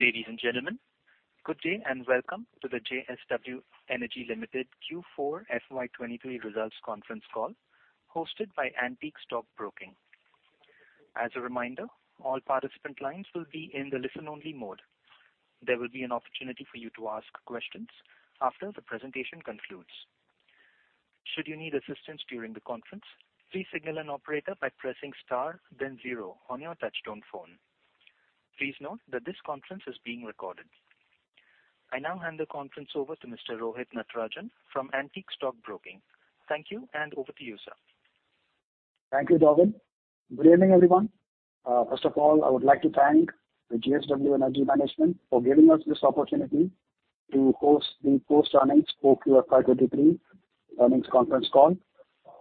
Ladies and gentlemen, good day and welcome to the JSW Energy Limited Q4 FY 2023 results conference call hosted by Antique Stock Broking. As a reminder, all participant lines will be in the listen-only mode. There will be an opportunity for you to ask questions after the presentation concludes. Should you need assistance during the conference, please signal an operator by pressing star then zero on your touchtone phone. Please note that this conference is being recorded. I now hand the conference over to Mr. Rohit Natarajan from Antique Stock Broking. Thank you, and over to you, sir. Thank you, Gavin. Good evening, everyone. First of all, I would like to thank the JSW Energy management for giving us this opportunity to host the post-earnings for QFY 2023 earnings conference call.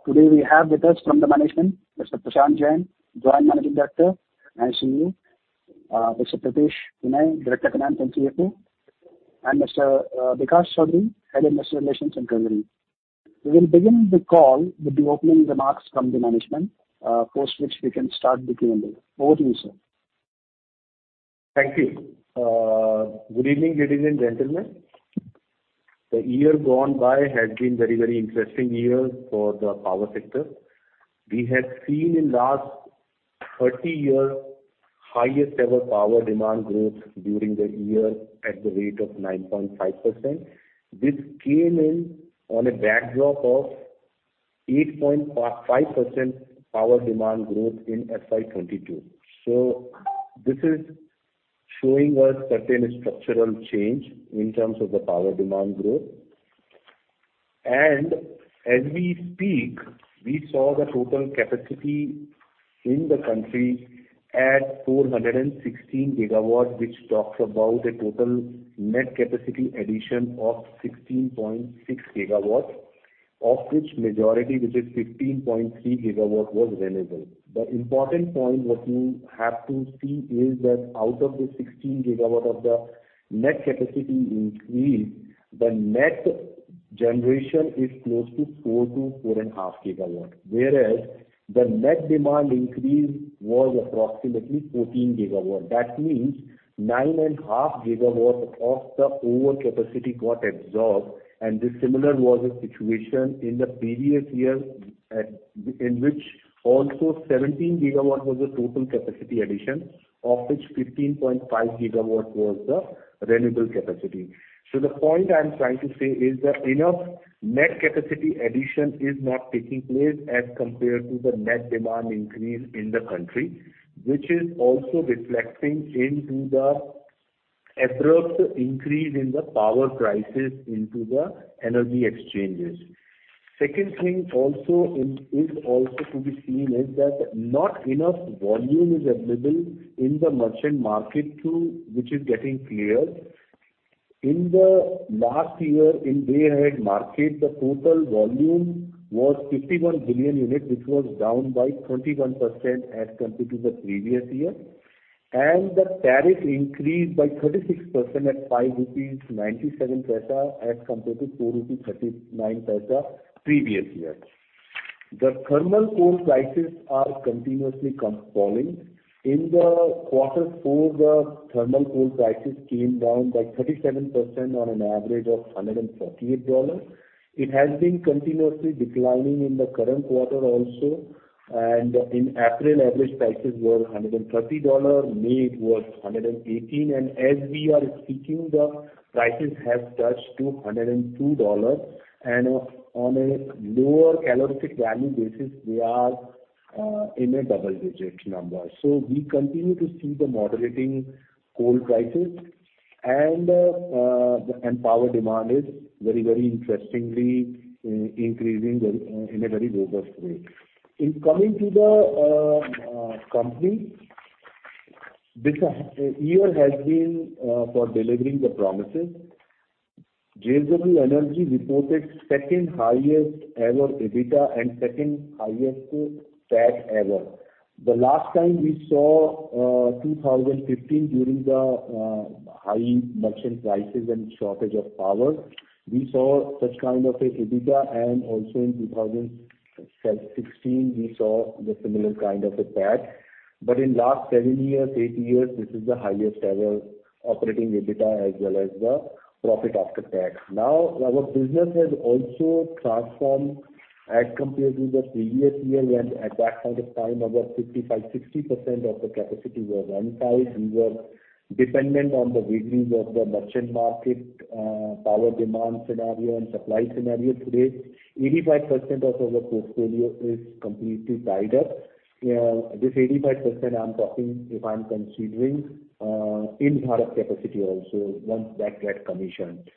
Today, we have with us from the management Mr. Prashant Jain, Joint Managing Director and CEO, Mr. Pritesh Vinay, Director Finance and CFO, and Mr. Vikas Chaudhary, Head of Investor Relations and Treasury. We will begin the call with the opening remarks from the management, post which we can start the Q&A. Over to you, sir. Thank you. Good evening, ladies and gentlemen. The year gone by has been very, very interesting year for the power sector. We have seen in last 30 years highest ever power demand growth during the year at the rate of 9.5%. This came in on a backdrop of 8.5% power demand growth in FY 2022. This is showing us certain structural change in terms of the power demand growth. As we speak, we saw the total capacity in the country at 416 gigawatts, which talks about a total net capacity addition of 16.6 gigawatts, of which majority, which is 15.3 gigawatt, was renewable. The important point what we have to see is that out of the 16 GW of the net capacity increase, the net generation is close to 4-4.5 GW. The net demand increase was approximately 14 GW. That means 9.5 GW of the over capacity got absorbed, and the similar was the situation in the previous year in which also 17 GW was the total capacity addition, of which 15.5 GW was the renewable capacity. The point I am trying to say is that enough net capacity addition is not taking place as compared to the net demand increase in the country, which is also reflecting into the abrupt increase in the power prices into the energy exchanges. Second thing also in, is also to be seen is that not enough volume is available in the merchant market which is getting cleared. In the last year, in day-ahead market, the total volume was 51 billion units, which was down by 21% as compared to the previous year. The tariff increased by 36% at 5.97 rupees as compared to 4.39 rupees previous year. The thermal coal prices are continuously falling. In the Q4, the thermal coal prices came down by 37% on an average of $148. It has been continuously declining in the current quarter also. In April, average prices were $130, May it was $118. As we are speaking, the prices have touched to $102. On a lower calorific value basis, we are in a double-digit number. We continue to see the moderating coal prices and power demand is very interestingly increasing very in a very robust way. In coming to the company, this year has been for delivering the promises. JSW Energy reported second-highest ever EBITDA and second-highest PAT ever. The last time we saw 2015 during the high merchant prices and shortage of power, we saw such kind of a EBITDA, and also in 2016 we saw the similar kind of a PAT. In last seven years, eight years, this is the highest ever operating EBITDA as well as the profit after tax. Our business has also transformed as compared to the previous year when at that point of time our 55%, 60% of the capacity was untied. We were dependent on the vagaries of the merchant market, power demand scenario and supply scenario. Today, 85% of our portfolio is completely tied up. This 85% I'm talking if I'm considering Ind-Barath capacity also once that get commissioned.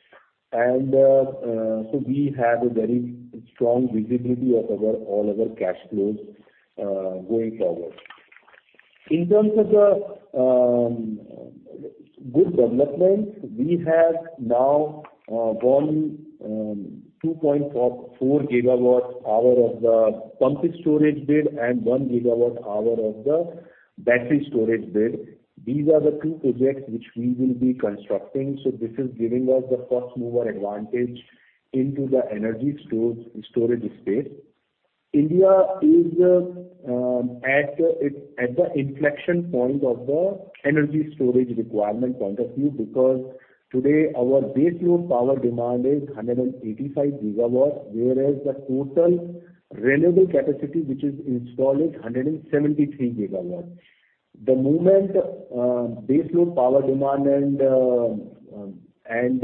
So we have a very strong visibility of all our cash flows going forward. In terms of the good development, we have now won 2.4 gigawatt hour of the pumped storage bid and 1 gigawatt hour of the battery storage bid. These are the two projects which we will be constructing. This is giving us the first mover advantage into the energy storage space. India is at the inflection point of the energy storage requirement point of view because today our baseload power demand is 185 GW, whereas the total renewable capacity which is installed is 173 GW. The moment baseload power demand and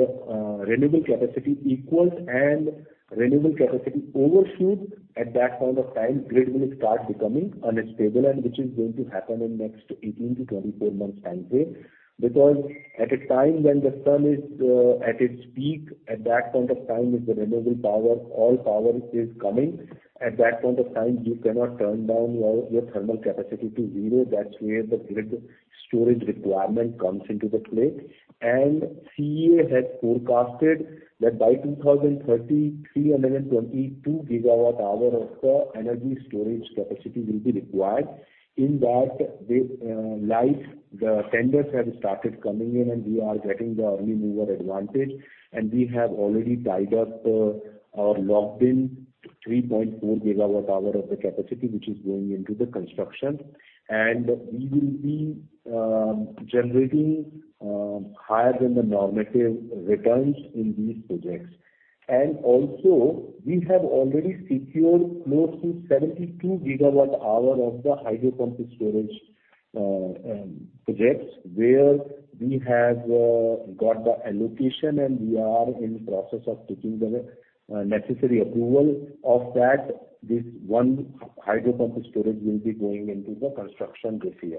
renewable capacity equals and renewable capacity overshoots, at that point of time grid will start becoming unstable and which is going to happen in next 18-24 months time frame. Because at a time when the sun is at its peak, at that point of time is the renewable power, all power is coming. At that point of time, you cannot turn down your thermal capacity to zero. That's where the grid storage requirement comes into the play. CEA has forecasted that by 2030, 322 gigawatt hour of the energy storage capacity will be required. In that they, like the tenders have started coming in and we are getting the early mover advantage, and we have already tied up or locked in 3.4 gigawatt hour of the capacity which is going into the construction. We will be generating higher than the normative returns in these projects. Also we have already secured close to 72 gigawatt hour of the hydro pumping storage projects, where we have got the allocation, and we are in the process of taking the necessary approval. Of that, this one hydro pumping storage will be going into the construction this year.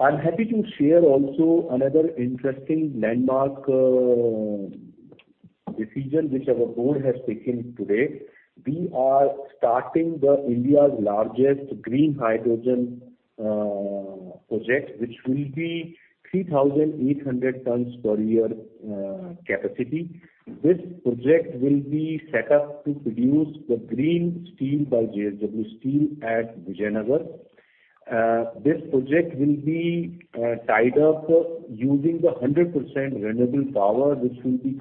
I'm happy to share also another interesting landmark decision which our board has taken today. We are starting the India's largest green hydrogen project, which will be 3,800 tons per year capacity. This project will be set up to produce the green steel by JSW Steel at Vijayanagar. This project will be tied up using the 100% renewable power, which will be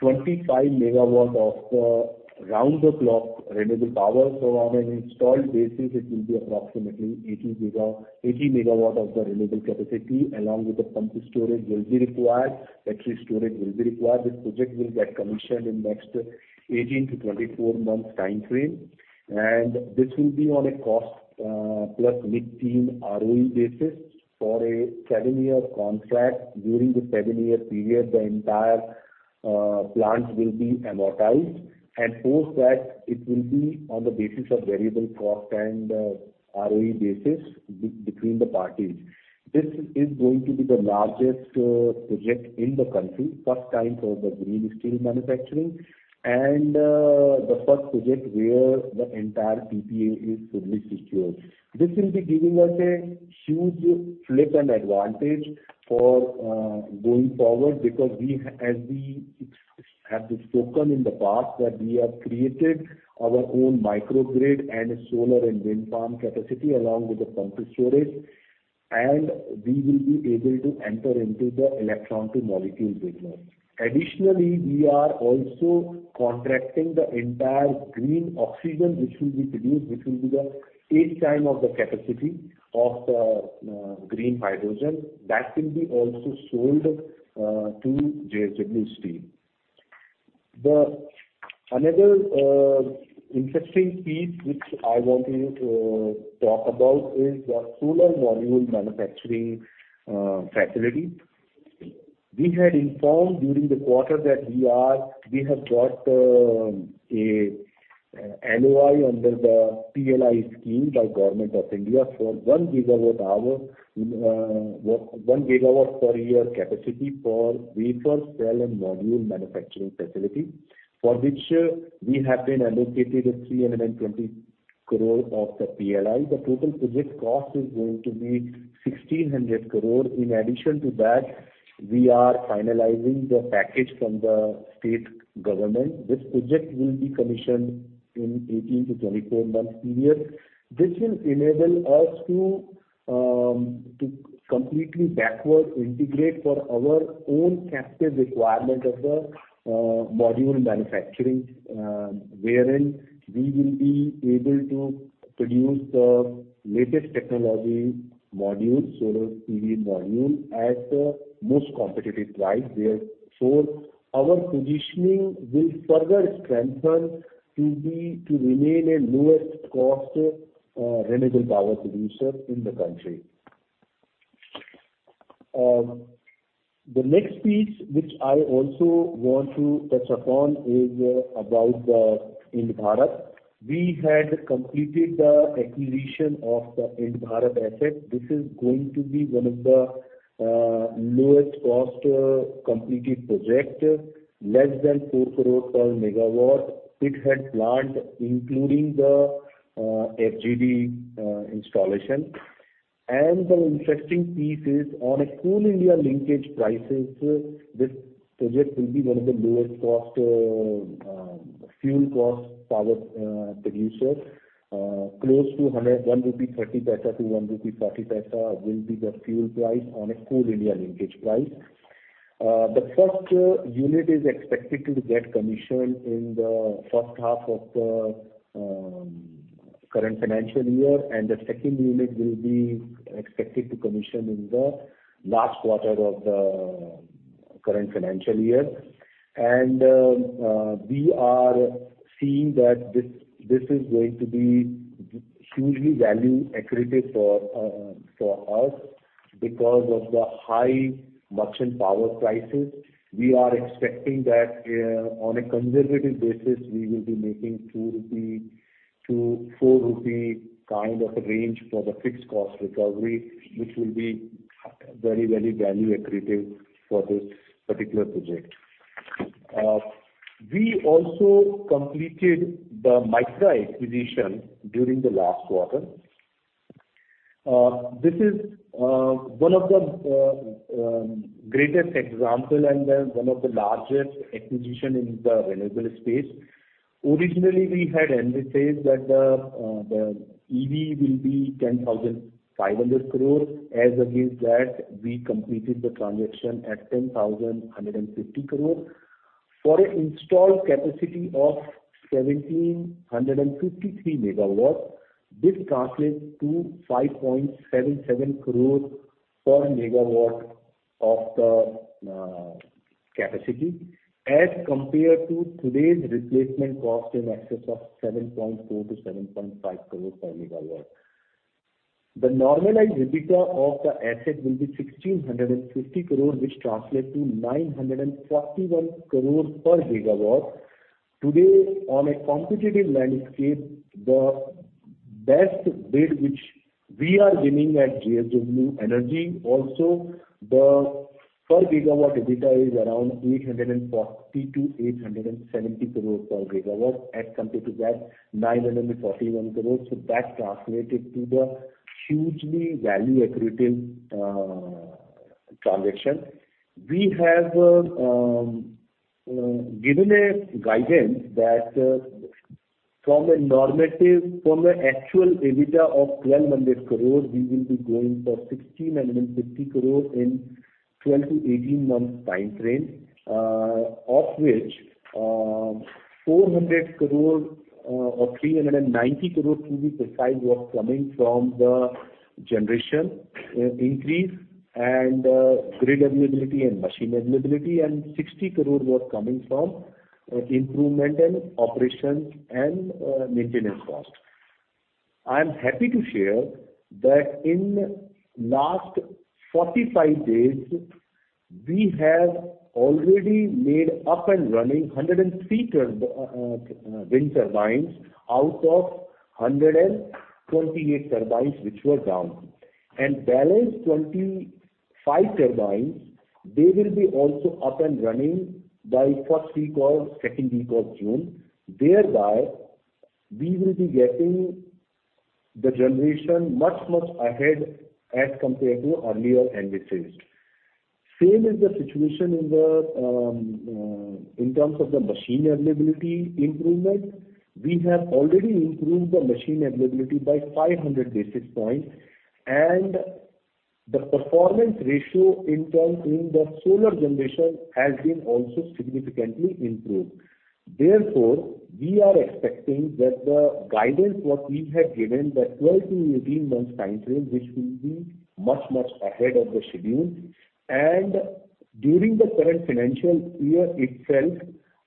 consuming 25 megawatt of the round the clock renewable power. On an installed basis it will be approximately 80 megawatt of the renewable capacity, along with the pumping storage will be required, battery storage will be required. This project will get commissioned in next 18-24 months time frame. This will be on a cost plus mid-teen ROE basis for a seven-year contract. During the seven-year period, the entire plant will be amortized. Post that it will be on the basis of variable cost and ROE basis between the parties. This is going to be the largest project in the country, first time for the green steel manufacturing and the first project where the entire PPA is fully secured. This will be giving us a huge flip and advantage for going forward because as we have spoken in the past, that we have created our own microgrid and solar and wind farm capacity along with the pumping storage, and we will be able to enter into the electron to molecules business. Additionally, we are also contracting the entire green oxygen which will be produced, which will be the 8 times of the capacity of the green hydrogen. That will be also sold to JSW Steel. Another interesting piece which I wanted to talk about is the solar module manufacturing facility. We had informed during the quarter that we have got a NOI under the PLI scheme by Government of India for 1 gigawatt hour, 1 gigawatt per year capacity for wafer, cell and module manufacturing facility. For which we have been allocated 320 crore of the PLI. The total project cost is going to be 1,600 crore. In addition to that, we are finalizing the package from the state government. This project will be commissioned in 18-24 months period. This will enable us to completely backward integrate for our own captive requirement of the module manufacturing. Wherein we will be able to produce the latest technology module, solar PV module at the most competitive price there. Our positioning will further strengthen to remain a lowest cost renewable power producer in the country. The next piece which I also want to touch upon is about the Ind-Barath. We had completed the acquisition of the Ind-Barath asset. This is going to be one of the lowest cost completed project, less than 4 crore per megawatt. It had plant, including the FGD installation. The interesting piece is on a Coal India linkage prices, this project will be one of the lowest cost fuel cost power producer, close to 1.30 rupee to 1.40 rupee will be the fuel price on a Coal India linkage price. The first unit is expected to get commissioned in the first half of the current financial year, and the second unit will be expected to commission in the last quarter of the current financial year. We are seeing that this is going to be hugely value accretive for us because of the high merchant power price s. We are expecting that on a conservative basis, we will be making 2-4 rupee kind of range for the fixed cost recovery, which will be very, very value accretive for this particular project. We also completed the Mytrah acquisition during the last quarter. This is one of the greatest example and one of the largest acquisition in the renewable space. Originally, we had envisaged that the EV will be 10,500 crore. As against that, we completed the transaction at 10,150 crore. For a installed capacity of 1,753 MW, this translates to 5.77 crore per MW of the capacity, as compared to today's replacement cost in excess of 7.4 crore-7.5 crore per MW. The normalized EBITDA of the asset will be 1,650 crore, which translate to 941 crore per GW. Today, on a competitive landscape, the best bid which we are winning at JSW Energy also, the per gigawatt EBITDA is around 840 crore-870 crore per gigawatt as compared to that 941 crore. That translated to the hugely value accretive transaction. We have given a guidance that from a normative from an actual EBITDA of 1,200 crore, we will be going for 1,650 crore in 12-18 months time frame, of which 400 crore or 390 crore to be precise was coming from the generation increase and grid availability and machine availability, and 60 crore was coming from improvement in operations and maintenance cost. I am happy to share that in last 45 days, we have already made up and running 103 wind turbines out of 128 turbines which were down. Balance 25 turbines, they will be also up and running by first week or second week of June. Thereby, we will be getting the generation much, much ahead as compared to earlier envisaged. Same is the situation in the in terms of the machine availability improvement. We have already improved the machine availability by 500 basis points, and the performance ratio in terms in the solar generation has been also significantly improved. We are expecting that the guidance what we had given, the 12-18 months time frame, which will be much, much ahead of the schedule. During the current financial year itself,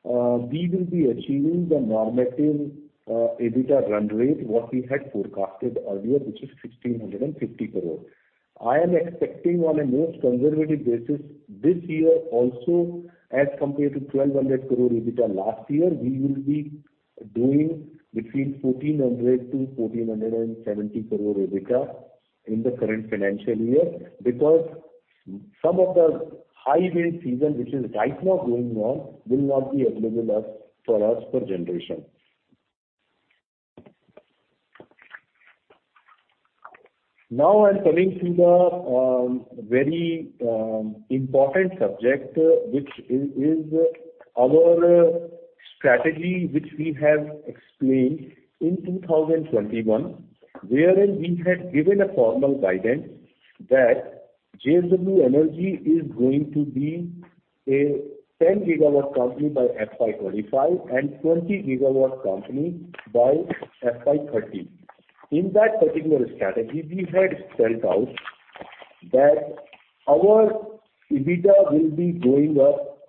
we will be achieving the normative EBITDA run rate, what we had forecasted earlier, which is 1,650 crore. I am expecting on a most conservative basis this year also, as compared to 1,200 crore EBITDA last year, we will be doing between 1,400 crore-1,470 crore EBITDA in the current financial year because some of the high wind season, which is right now going on, will not be available for us for generation. I'm coming to the very important subject, which is our strategy which we have explained in 2021, wherein we had given a formal guidance that JSW Energy is going to be a 10 gigawatt company by FY 2025 and 20 gigawatt company by FY 2030. In that particular strategy, we had spelled out that our EBITDA will be going up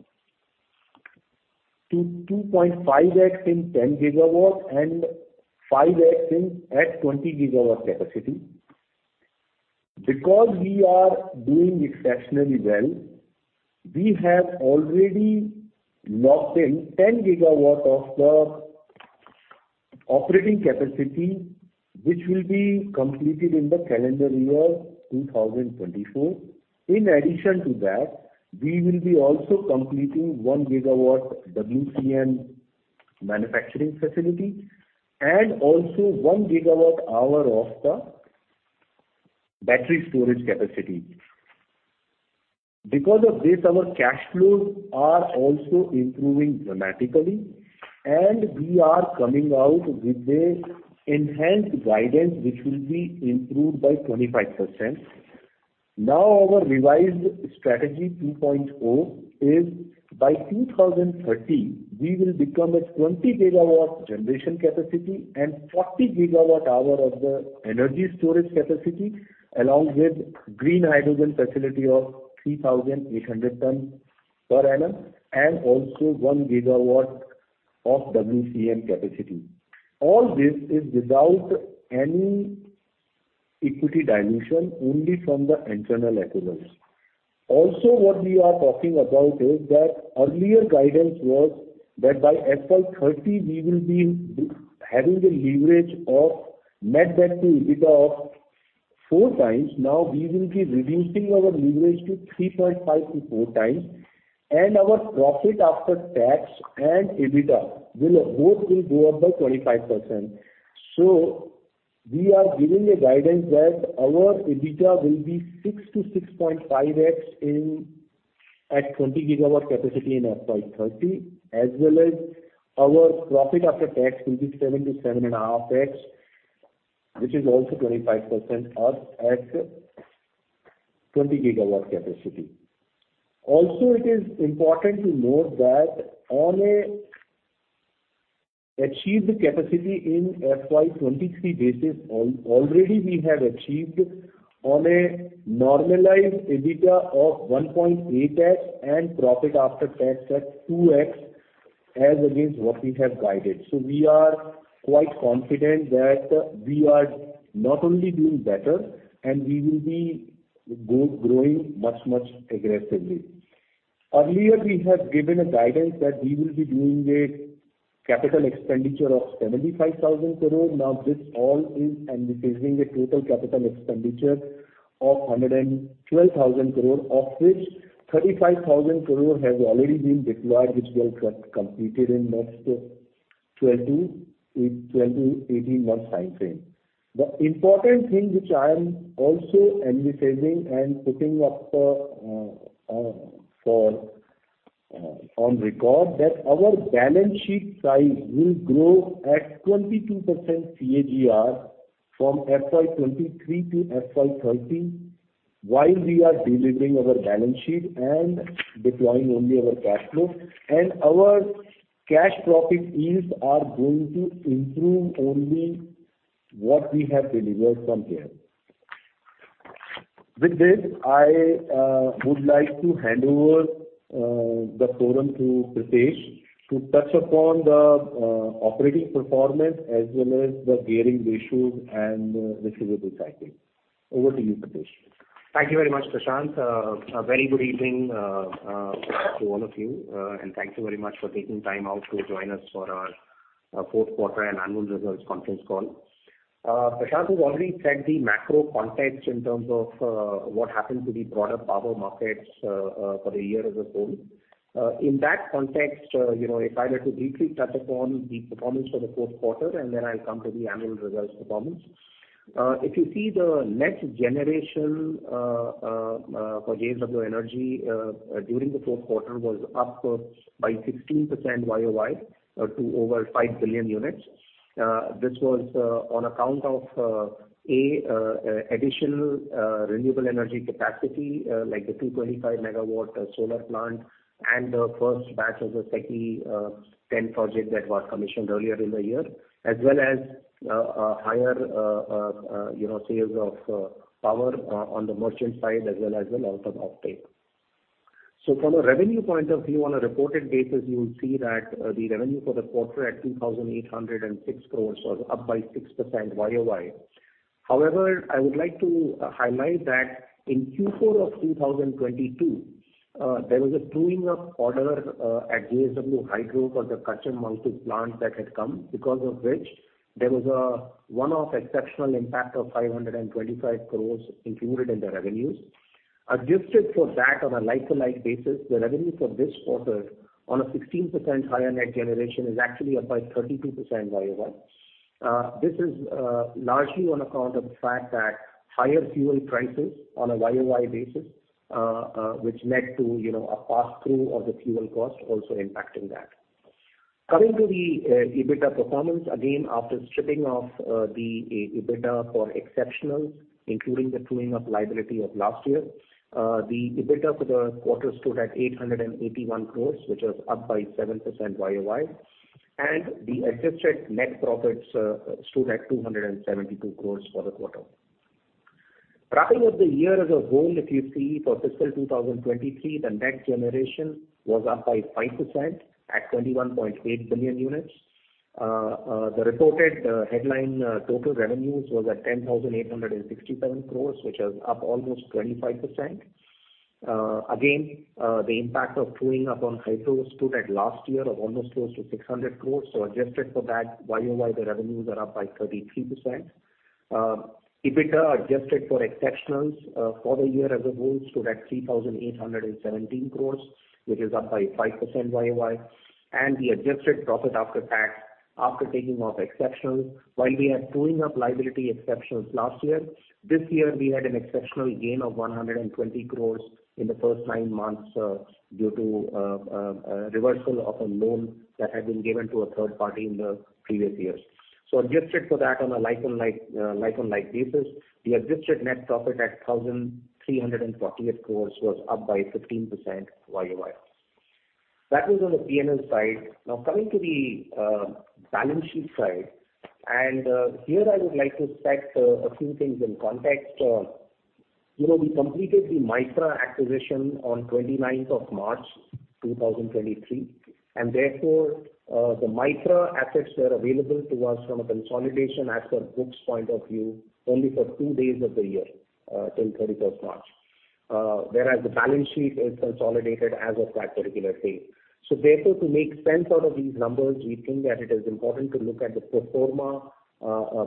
to 2.5x in 10 gigawatt and 5x in, at 20 gigawatt capacity. Because we are doing exceptionally well, we have already locked in 10 gigawatt of the operating capacity, which will be completed in the calendar year 2024. In addition to that, we will be also completing 1 gigawatt wafer, cell, and module manufacturing facility and also 1 gigawatt hour of the battery storage capacity. Because of this, our cash flows are also improving dramatically. We are coming out with a enhanced guidance, which will be improved by 25%. Our revised strategy 2.0 is by 2030, we will become a 20 gigawatt generation capacity and 40 gigawatt hour of the energy storage capacity, along with green hydrogen facility of 3,800 ton per annum, and also 1 gigawatt of wafer, cell, and module capacity. All this is without any equity dilution, only from the internal accruals. What we are talking about is that earlier guidance was that by FY 2030, we will be having the leverage of net debt to EBITDA of 4 times. We will be reducing our leverage to 3.5 to 4 times. Our profit after tax and EBITDA will both go up by 25%. We are giving a guidance that our EBITDA will be 6-6.5x in, at 20 GW capacity in FY 2030, as well as our profit after tax will be 7-7.5x, which is also 25% up at 20 GW capacity. It is important to note that on a achieved capacity in FY 2023 basis already we have achieved on a normalized EBITDA of 1.8x and profit after tax at 2x as against what we have guided. We are quite confident that we are not only doing better, and we will be growing much aggressively. We have given a guidance that we will be doing a capital expenditure of 75,000 crore. Now this all is emphasizing a total capital expenditure of 112,000 crore, of which 35,000 crore has already been deployed, which will get completed in next 18 month timeframe. The important thing which I am also emphasizing and putting up on record that our balance sheet size will grow at 22% CAGR from FY 2023 to FY 2030, while we are de-levering our balance sheet and deploying only our cash flow. Our cash profit yields are going to improve only what we have delivered from here. With this, I would like to hand over the forum to Pritesh to touch upon the operating performance as well as the gearing ratios and receivable cycles. Over to you, Pritesh. Thank you very much, Prashant. A very good evening to all of you. Thank you very much for taking time out to join us for our fourth quarter and annual results conference call. Prashant has already set the macro context in terms of what happened to the broader power markets for the year as a whole. In that context, you know, if I were to briefly touch upon the performance for the fourth quarter. Then I'll come to the annual results performance. If you see the net generation for JSW Energy during the fourth quarter was up by 16% YOY to over 5 billion units. That's what on account of additional renewable energy capacity, like the 225 MW solar plant and the first batch of the SECI 10 project that got commissioned earlier in the year, as well as higher, you know, sales of power on the merchant side as well as the long-term offtake. From a revenue point of view, on a reported basis, you will see that the revenue for the quarter at 2,806 crores was up by 6% YOY. I would like to highlight that in Q4 of 2022, there was a truing up order at JSW Hydro for the Karcham Wangtoo plant that had come because of which there was a one-off exceptional impact of 525 crores included in the revenues. Adjusted for that on a like-to-like basis, the revenue for this quarter on a 16% higher net generation is actually up by 32% YOY. This is largely on account of the fact that higher fuel prices on a YOY basis, which led to, you know, a pass-through of the fuel cost also impacting that. Coming to the EBITDA performance, again, after stripping off the EBITDA for exceptionals, including the truing up liability of last year, the EBITDA for the quarter stood at 881 crores, which was up by 7% YOY. The adjusted net profits stood at 272 crores for the quarter. Wrapping up the year as a whole, if you see for fiscal 2023, the net generation was up by 5% at 21.8 billion units. The reported headline total revenues was at 10,867 crores, which was up almost 25%. Again, the impact of truing up on hydro stood at last year of almost close to 600 crores. Adjusted for that YOY, the revenues are up by 33%. EBITDA adjusted for exceptionals for the year as a whole stood at 3,817 crore, which is up by 5% YOY. The adjusted profit after tax after taking off exceptionals. While we are truing up liability exceptionals last year, this year we had an exceptional gain of 120 crore in the first nine months due to reversal of a loan that had been given to a third party in the previous years. Adjusted for that on a like-on-like, like-on-like basis, the adjusted net profit at 1,348 crore was up by 15% YOY. That was on the PNL side. Coming to the balance sheet side, and here I would like to set a few things in context. You know, we completed the Mytrah acquisition on 29 March 2023 therefore, the Mytrah assets were available to us from a consolidation as per books point of view, only for two days of the year, till 31 March, whereas the balance sheet is consolidated as of that particular day. Therefore, to make sense out of these numbers, we think that it is important to look at the pro forma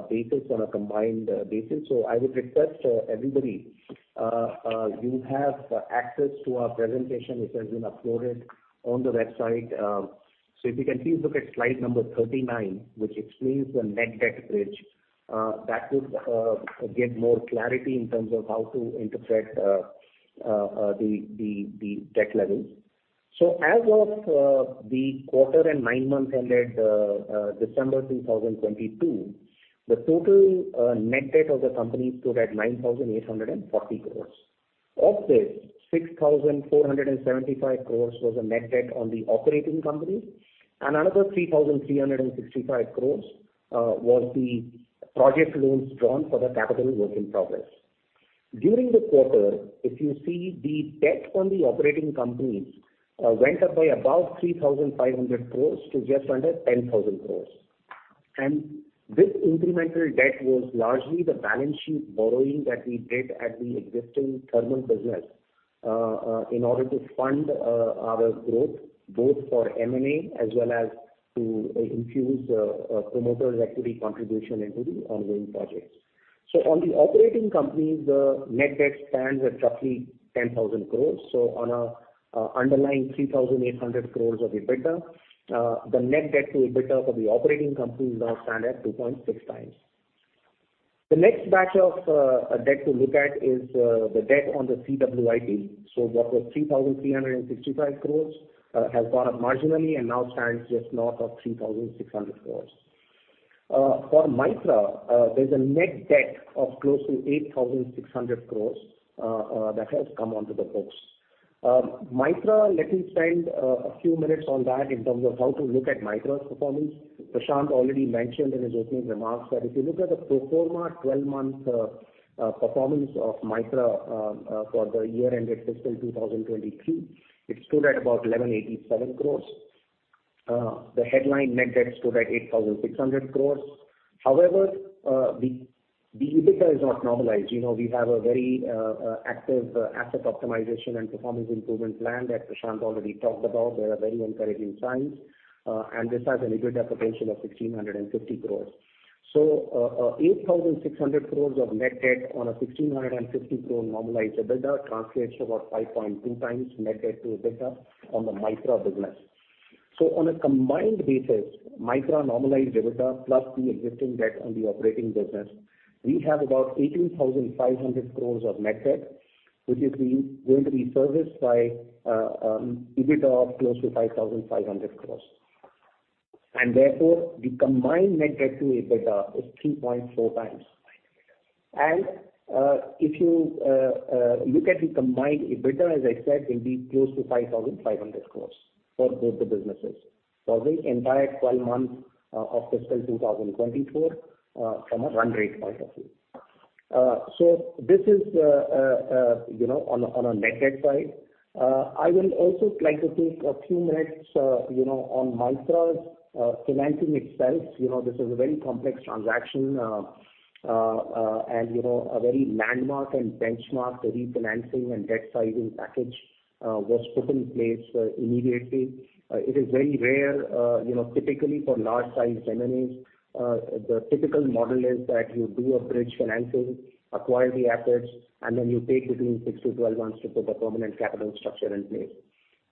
basis on a combined basis. I would request everybody, you have access to our presentation which has been uploaded on the website. If you can please look at slide number 39, which explains the net debt bridge, that would give more clarity in terms of how to interpret the debt levels. As of the quarter and nine months ended December 2022, the total net debt of the company stood at 9,840 crores. Of this, 6,475 crores was a net debt on the operating companies, and another 3,365 crores was the project loans drawn for the capital work in progress. During the quarter, if you see the debt on the operating companies went up by about 3,500 crores to just under 10,000 crores. This incremental debt was largely the balance sheet borrowing that we did at the existing thermal business in order to fund our growth, both for M&A as well as to infuse promoters equity contribution into the ongoing projects. On the operating companies, the net debt stands at roughly 10,000 crores. On an underlying 3,800 crores of EBITDA, the net debt to EBITDA for the operating companies now stand at 2.6 times. The next batch of debt to look at is the debt on the CWIP. What was 3,365 crores has gone up marginally and now stands just north of 3,600 crores. For Mytrah, there's a net debt of close to 8,600 crores that has come onto the books. Mytrah, let me spend a few minutes on that in terms of how to look at Mytrah's performance. Prashant already mentioned in his opening remarks that if you look at the pro forma 12-month performance of Mytrah for the year ended fiscal 2023, it stood at about 1,187 crores. The headline net debt stood at 8,600 crores. The EBITDA is not normalized. You know, we have a very active asset optimization and performance improvement plan that Prashant already talked about. There are very encouraging signs, and this has an EBITDA potential of 1,650 crores. 8,600 crores of net debt on a 1,650 crore normalized EBITDA translates to about 5.2 times net debt to EBITDA on the Mytrah business. On a combined basis, Mytrah normalized EBITDA plus the existing debt on the operating business, we have about 18,500 crores of net debt, going to be serviced by EBITDA of close to 5,500 crores. Therefore, the combined net debt to EBITDA is 3.4 times. If you look at the combined EBITDA, as I said, will be close to 5,500 crores for both the businesses for the entire 12 months of fiscal 2024 from a run rate point of view. This is, you know, on a net debt side. I will also like to take a few minutes, you know, on Mytrah's financing itself. You know, this is a very complex transaction, and, you know, a very landmark and benchmark refinancing and debt sizing package, was put in place, immediately. It is very rare, you know, typically for large sized M&As, the typical model is that you do a bridge financing, acquire the assets, and then you take between six to 12 months to put the permanent capital structure in place.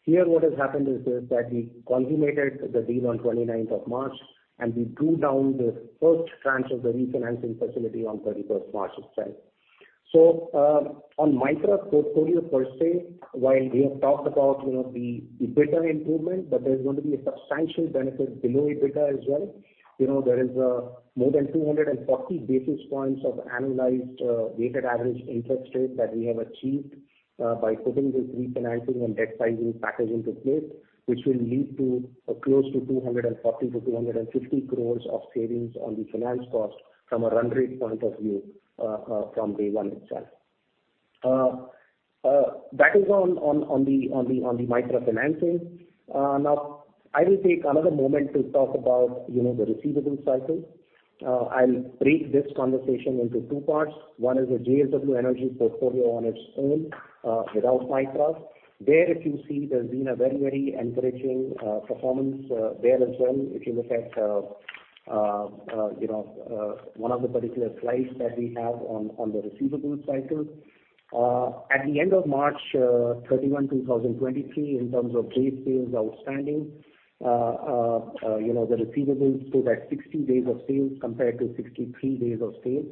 Here, what has happened is that we consummated the deal on 29 March, and we drew down the first tranche of the refinancing facility on 31 March itself. On Mytrah's portfolio per se, while we have talked about, you know, the EBITDA improvement, but there's going to be a substantial benefit below EBITDA as well. You know, there is more than 240 basis points of annualized weighted average interest rate that we have achieved by putting this refinancing and debt sizing package into place. Which will lead to close to 240-250 crores of savings on the finance cost from a run rate point of view from day one itself. That is on the Mytrah financing. Now I will take another moment to talk about, you know, the receivable cycle. I'll break this conversation into two parts. One is the JSW Energy portfolio on its own, without Mytrah. There, if you see, there's been a very encouraging performance there as well. If you look at, you know, one of the particular slides that we have on the receivables cycle. At the end of 31 March 2023, in terms of day sales outstanding, you know, the receivables stood at 60 days of sales compared to 63 days of sales.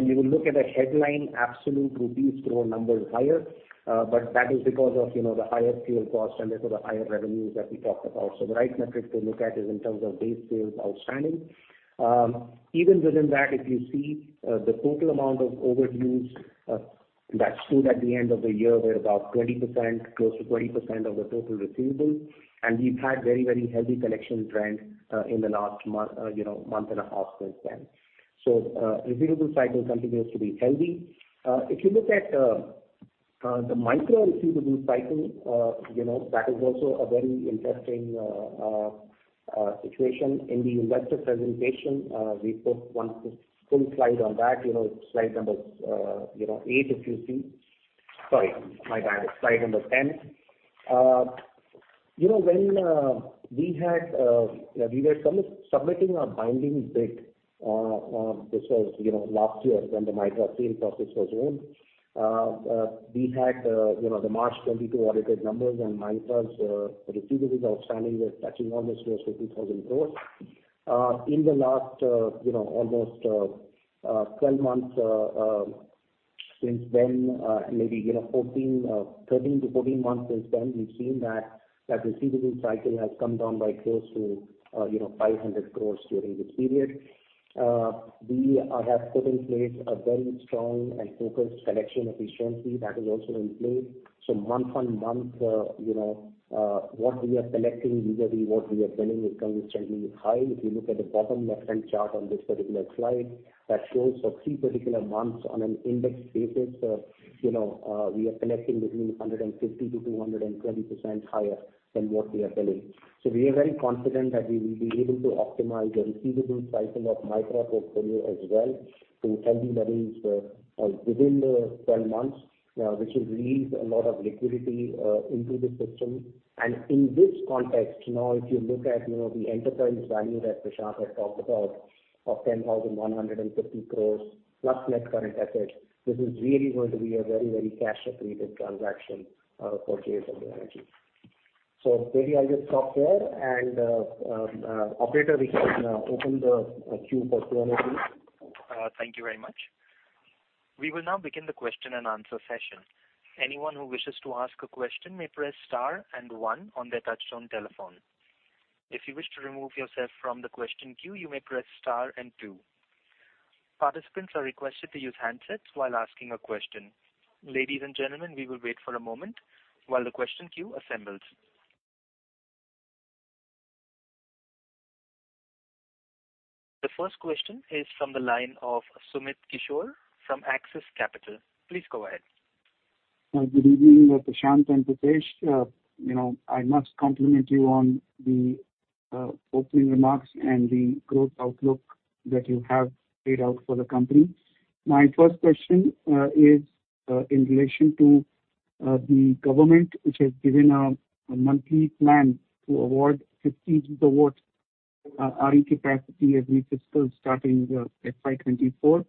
You will look at a headline absolute INR grow numbers higher, but that is because of, you know, the higher fuel cost and therefore the higher revenues that we talked about. The right metric to look at is in terms of base sales outstanding. Even within that, if you see, the total amount of overdues that stood at the end of the year were about 20%, close to 20% of the total receivables. We've had very, very healthy collection trend in the last month, you know, month and a half since then. Receivable cycle continues to be healthy. If you look at the Mytrah receivable cycle, you know, that is also a very interesting situation. In the investor presentation, we put one whole slide on that, you know, slide number eight, if you see. Sorry, my bad slide number 10. You know, when we had, we were submitting a binding bid, this was, you know, last year when the Mytrah sale process was on. We had, you know, the March 2022 audited numbers, and Mytrah's receivables outstanding were touching almost close 1,500 crore. In the last, you know, almost, 12 months, since then, maybe you know, 14, 13-14 months since then, we've seen that that receivable cycle has come down by close to, you know, 500 crores during this period. We have put in place a very strong and focused collection efficiency that is also in place. Month on month, you know, what we are collecting vis-à-vis what we are billing is consistently high. If you look at the bottom left-hand chart on this particular slide, that shows for three particular months on an index basis, you know, we are collecting between 150%-220% higher than what we are billing. We are very confident that we will be able to optimize the receivables cycle of Mytrah portfolio as well to healthy levels within 12 months, which will release a lot of liquidity into the system. In this context, you know, if you look at, you know, the enterprise value that Prashant had talked about of 10,150 crores, plus net current assets, this is really going to be a very, very cash-accretive transaction for JSW Energy. Maybe I'll just stop there and operator, we can open the queue for Q&A please. Thank you very much. We will now begin the question-and-answer session. Anyone who wishes to ask a question may press star and one on their touchtone telephone. If you wish to remove yourself from the question queue, you may press star and two. Participants are requested to use handsets while asking a question. Ladies and gentlemen, we will wait for a moment while the question queue assembles. The first question is from the line of Sumit Kishore from Axis Capital. Please go ahead. Good evening, Prashant and Pritesh. You know, I must compliment you on the opening remarks and the growth outlook that you have laid out for the company. My first question is in relation to the Government, which has given a monthly plan to award 15 gigawatts RE capacity every fiscal starting FY 2024.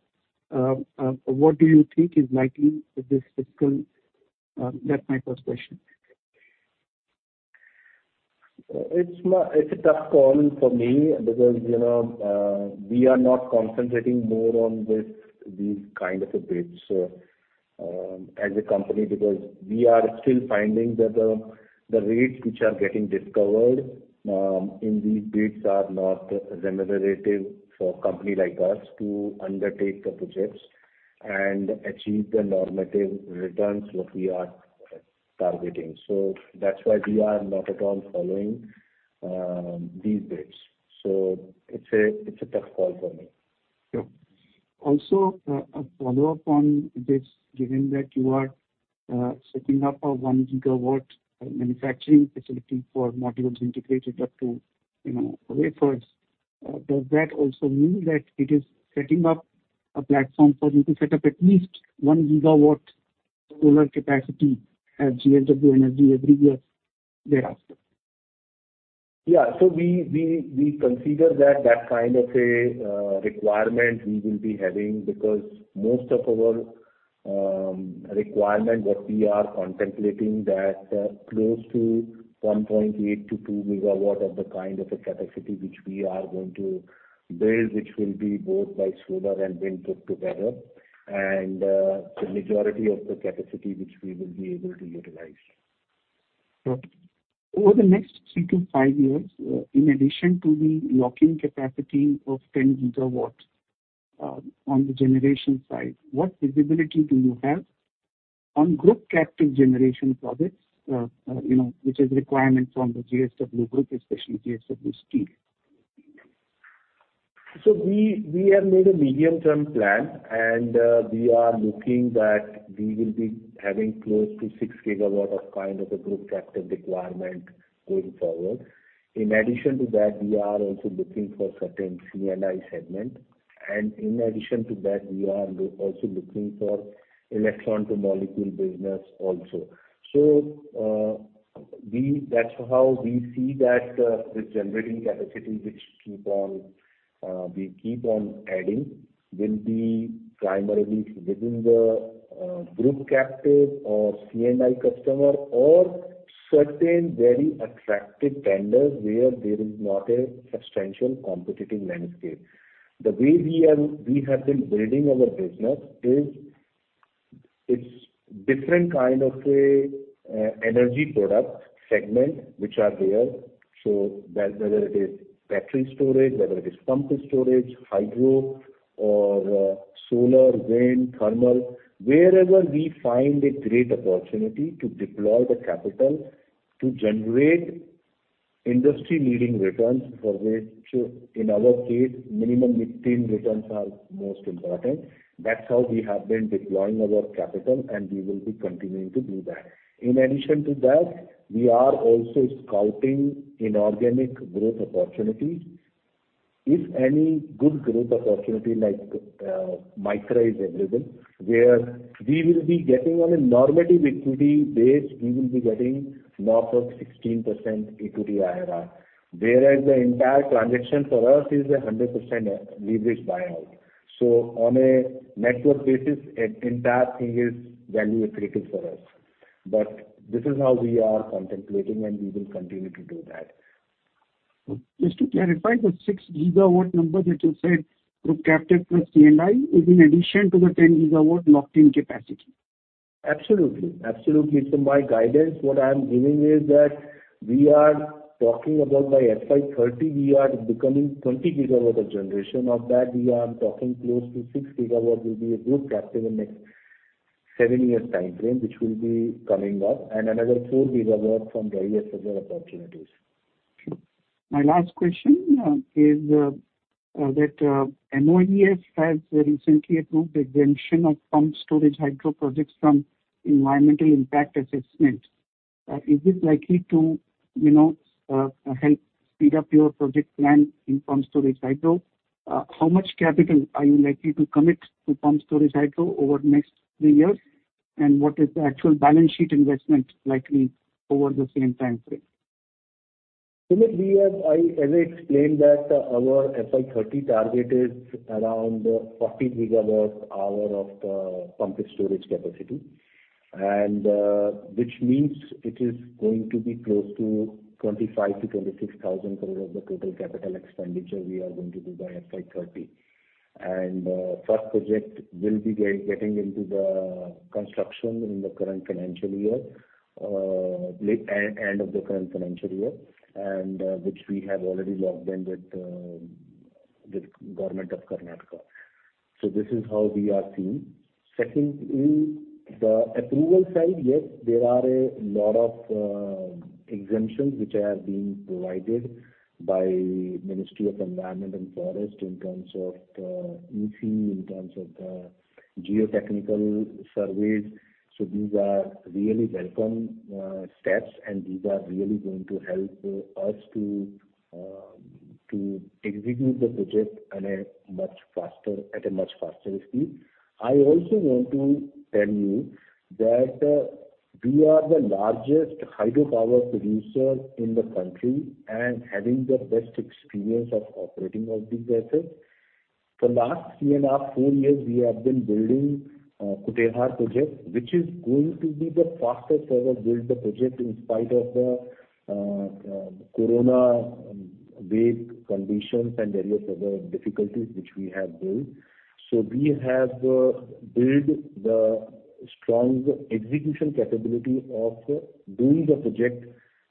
What do you think is likely for this fiscal? That's my first question. It's a tough call for me because, you know, we are not concentrating more on this, these kind of a bids, as a company because we are still finding that the rates which are getting discovered in these bids are not remunerative for a company like us to undertake the projects and achieve the normative returns what we are targeting. That's why we are not at all following these bids. It's a tough call for me. Sure. Also, a follow-up on this, given that you are setting up a 1 gigawatt manufacturing facility for modules integrated up to, you know, wafers, does that also mean that it is setting up a platform for you to set up at least 1 gigawatt solar capacity at JSW Energy every year thereafter? We consider that that kind of a requirement we will be having because most of our requirement what we are contemplating that close to 1.8-2 MW of the kind of a capacity which we are going to build, which will be both by solar and wind put together, and the majority of the capacity which we will be able to utilize. Sure. Over the next three to five years, in addition to the lock-in capacity of 10 gigawatts, on the generation side, what visibility do you have on group captive generation projects, you know, which is a requirement from the JSW Group, especially JSW Steel? We have made a medium-term plan and we are looking that we will be having close to 6 GW of kind of a group captive requirement going forward. In addition to that, we are also looking for certain C&I segment. In addition to that, we are also looking for electron to molecule business also. That's how we see that the generating capacity which keep on, we keep on adding will be primarily within the group captive or C&I customer or certain very attractive tenders where there is not a substantial competitive landscape. The way we are, we have been building our business is it's different kind of a energy product segment which are there. Whether it is battery storage, whether it is pumped storage, hydro or solar, wind, thermal, wherever we find a great opportunity to deploy the capital to generate industry-leading returns for which, in our case, minimum mid-teen returns are most important. That's how we have been deploying our capital, and we will be continuing to do that. In addition to that, we are also scouting inorganic growth opportunities. If any good growth opportunity like Mytrah is available, where we will be getting on a normative equity base, we will be getting north of 16% equity IRR. Whereas the entire transaction for us is a 100% leverage buyout. On a net worth basis, entire thing is value accretive for us. This is how we are contemplating, and we will continue to do that. Just to clarify, the 6 GW number that you said, group captive plus C&I, is in addition to the 10 GW locked-in capacity? Absolutely. Absolutely. My guidance, what I'm giving is that we are talking about by FY 2030, we are becoming 20 gigawatt of generation. Of that, we are talking close to six gigawatt will be a group captive in next seven years timeframe, which will be coming up, and another four gigawatt from various other opportunities. My last question is that MoEFCC has recently approved exemption of pump storage hydro projects from Environmental Impact Assessment. Is this likely to, you know, help speed up your project plan in pump storage hydro? How much capital are you likely to commit to pump storage hydro over the next three years? What is the actual balance sheet investment likely over the same time frame? Sunil, I already explained that our FY 2030 target is around 40 gigawatt hour of pumped storage capacity. Which means it is going to be close to 25,000-26,000 crore of the total capital expenditure we are going to do by FY 2030. First project will be getting into the construction in the current financial year, end of the current financial year, which we have already locked in with Government of Karnataka. This is how we are seeing. Secondly, the approval side, yes, there are a lot of exemptions which are being provided by Ministry of Environment and Forest in terms of EC, in terms of the geotechnical surveys. These are really welcome steps, and these are really going to help us to execute the project at a much faster speed. I also want to tell you that we are the largest hydropower producer in the country and having the best experience of operating all these assets. For last three and a half, four years, we have been building Kutehr Project, which is going to be the fastest ever built project in spite of the corona wave conditions and various other difficulties which we have built. We have, build the strong execution capability of doing the project,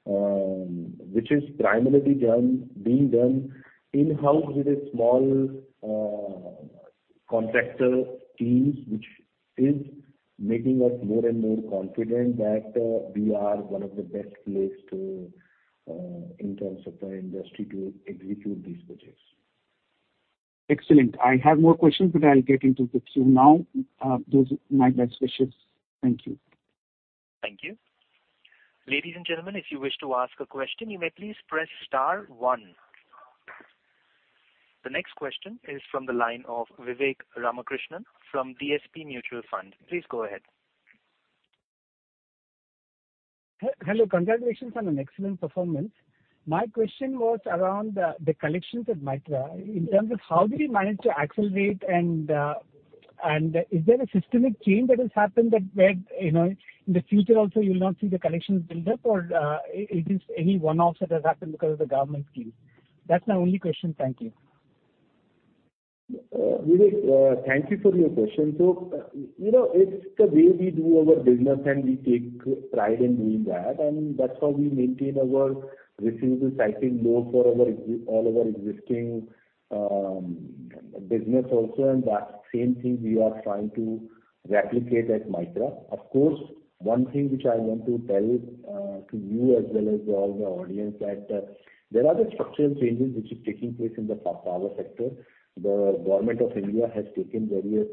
which is primarily done, being done in-house with a small, contractor teams, which is making us more and more confident that, we are one of the best place to, in terms of the industry to execute these projects. Excellent. I have more questions, but I'll get in the queue now. Those are my best wishes. Thank you. Thank you. Ladies and gentlemen, if you wish to ask a question, you may please press star one. The next question is from the line of Vivek Ramakrishnan from DSP Mutual Fund. Please go ahead. Hello. Congratulations on an excellent performance. My question was around the collections at Mytrah. In terms of how do you manage to accelerate and is there a systemic change that has happened that where, you know, in the future also you'll not see the collections build up or it is any one-off that has happened because of the government scheme? That's my only question. Thank you. Vivek, thank you for your question. You know, it's the way we do our business and we take pride in doing that, and that's how we maintain our receivable cycling low for all our existing business also. That same thing we are trying to replicate at Mytrah Energy. Of course, one thing which I want to tell you as well as all the audience that there are the structural changes which is taking place in the power sector. The Government of India has taken various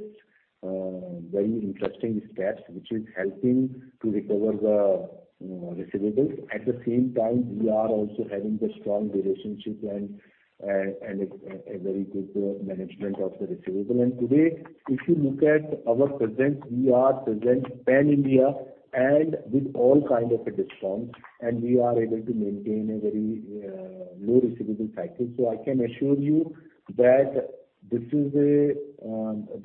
very interesting steps which is helping to recover the receivables. At the same time, we are also having the strong relationship and a very good management of the receivable. Today, if you look at our presence, we are present pan-India and with all kind of a DISCOMs, and we are able to maintain a very low receivable cycle. I can assure you that this is a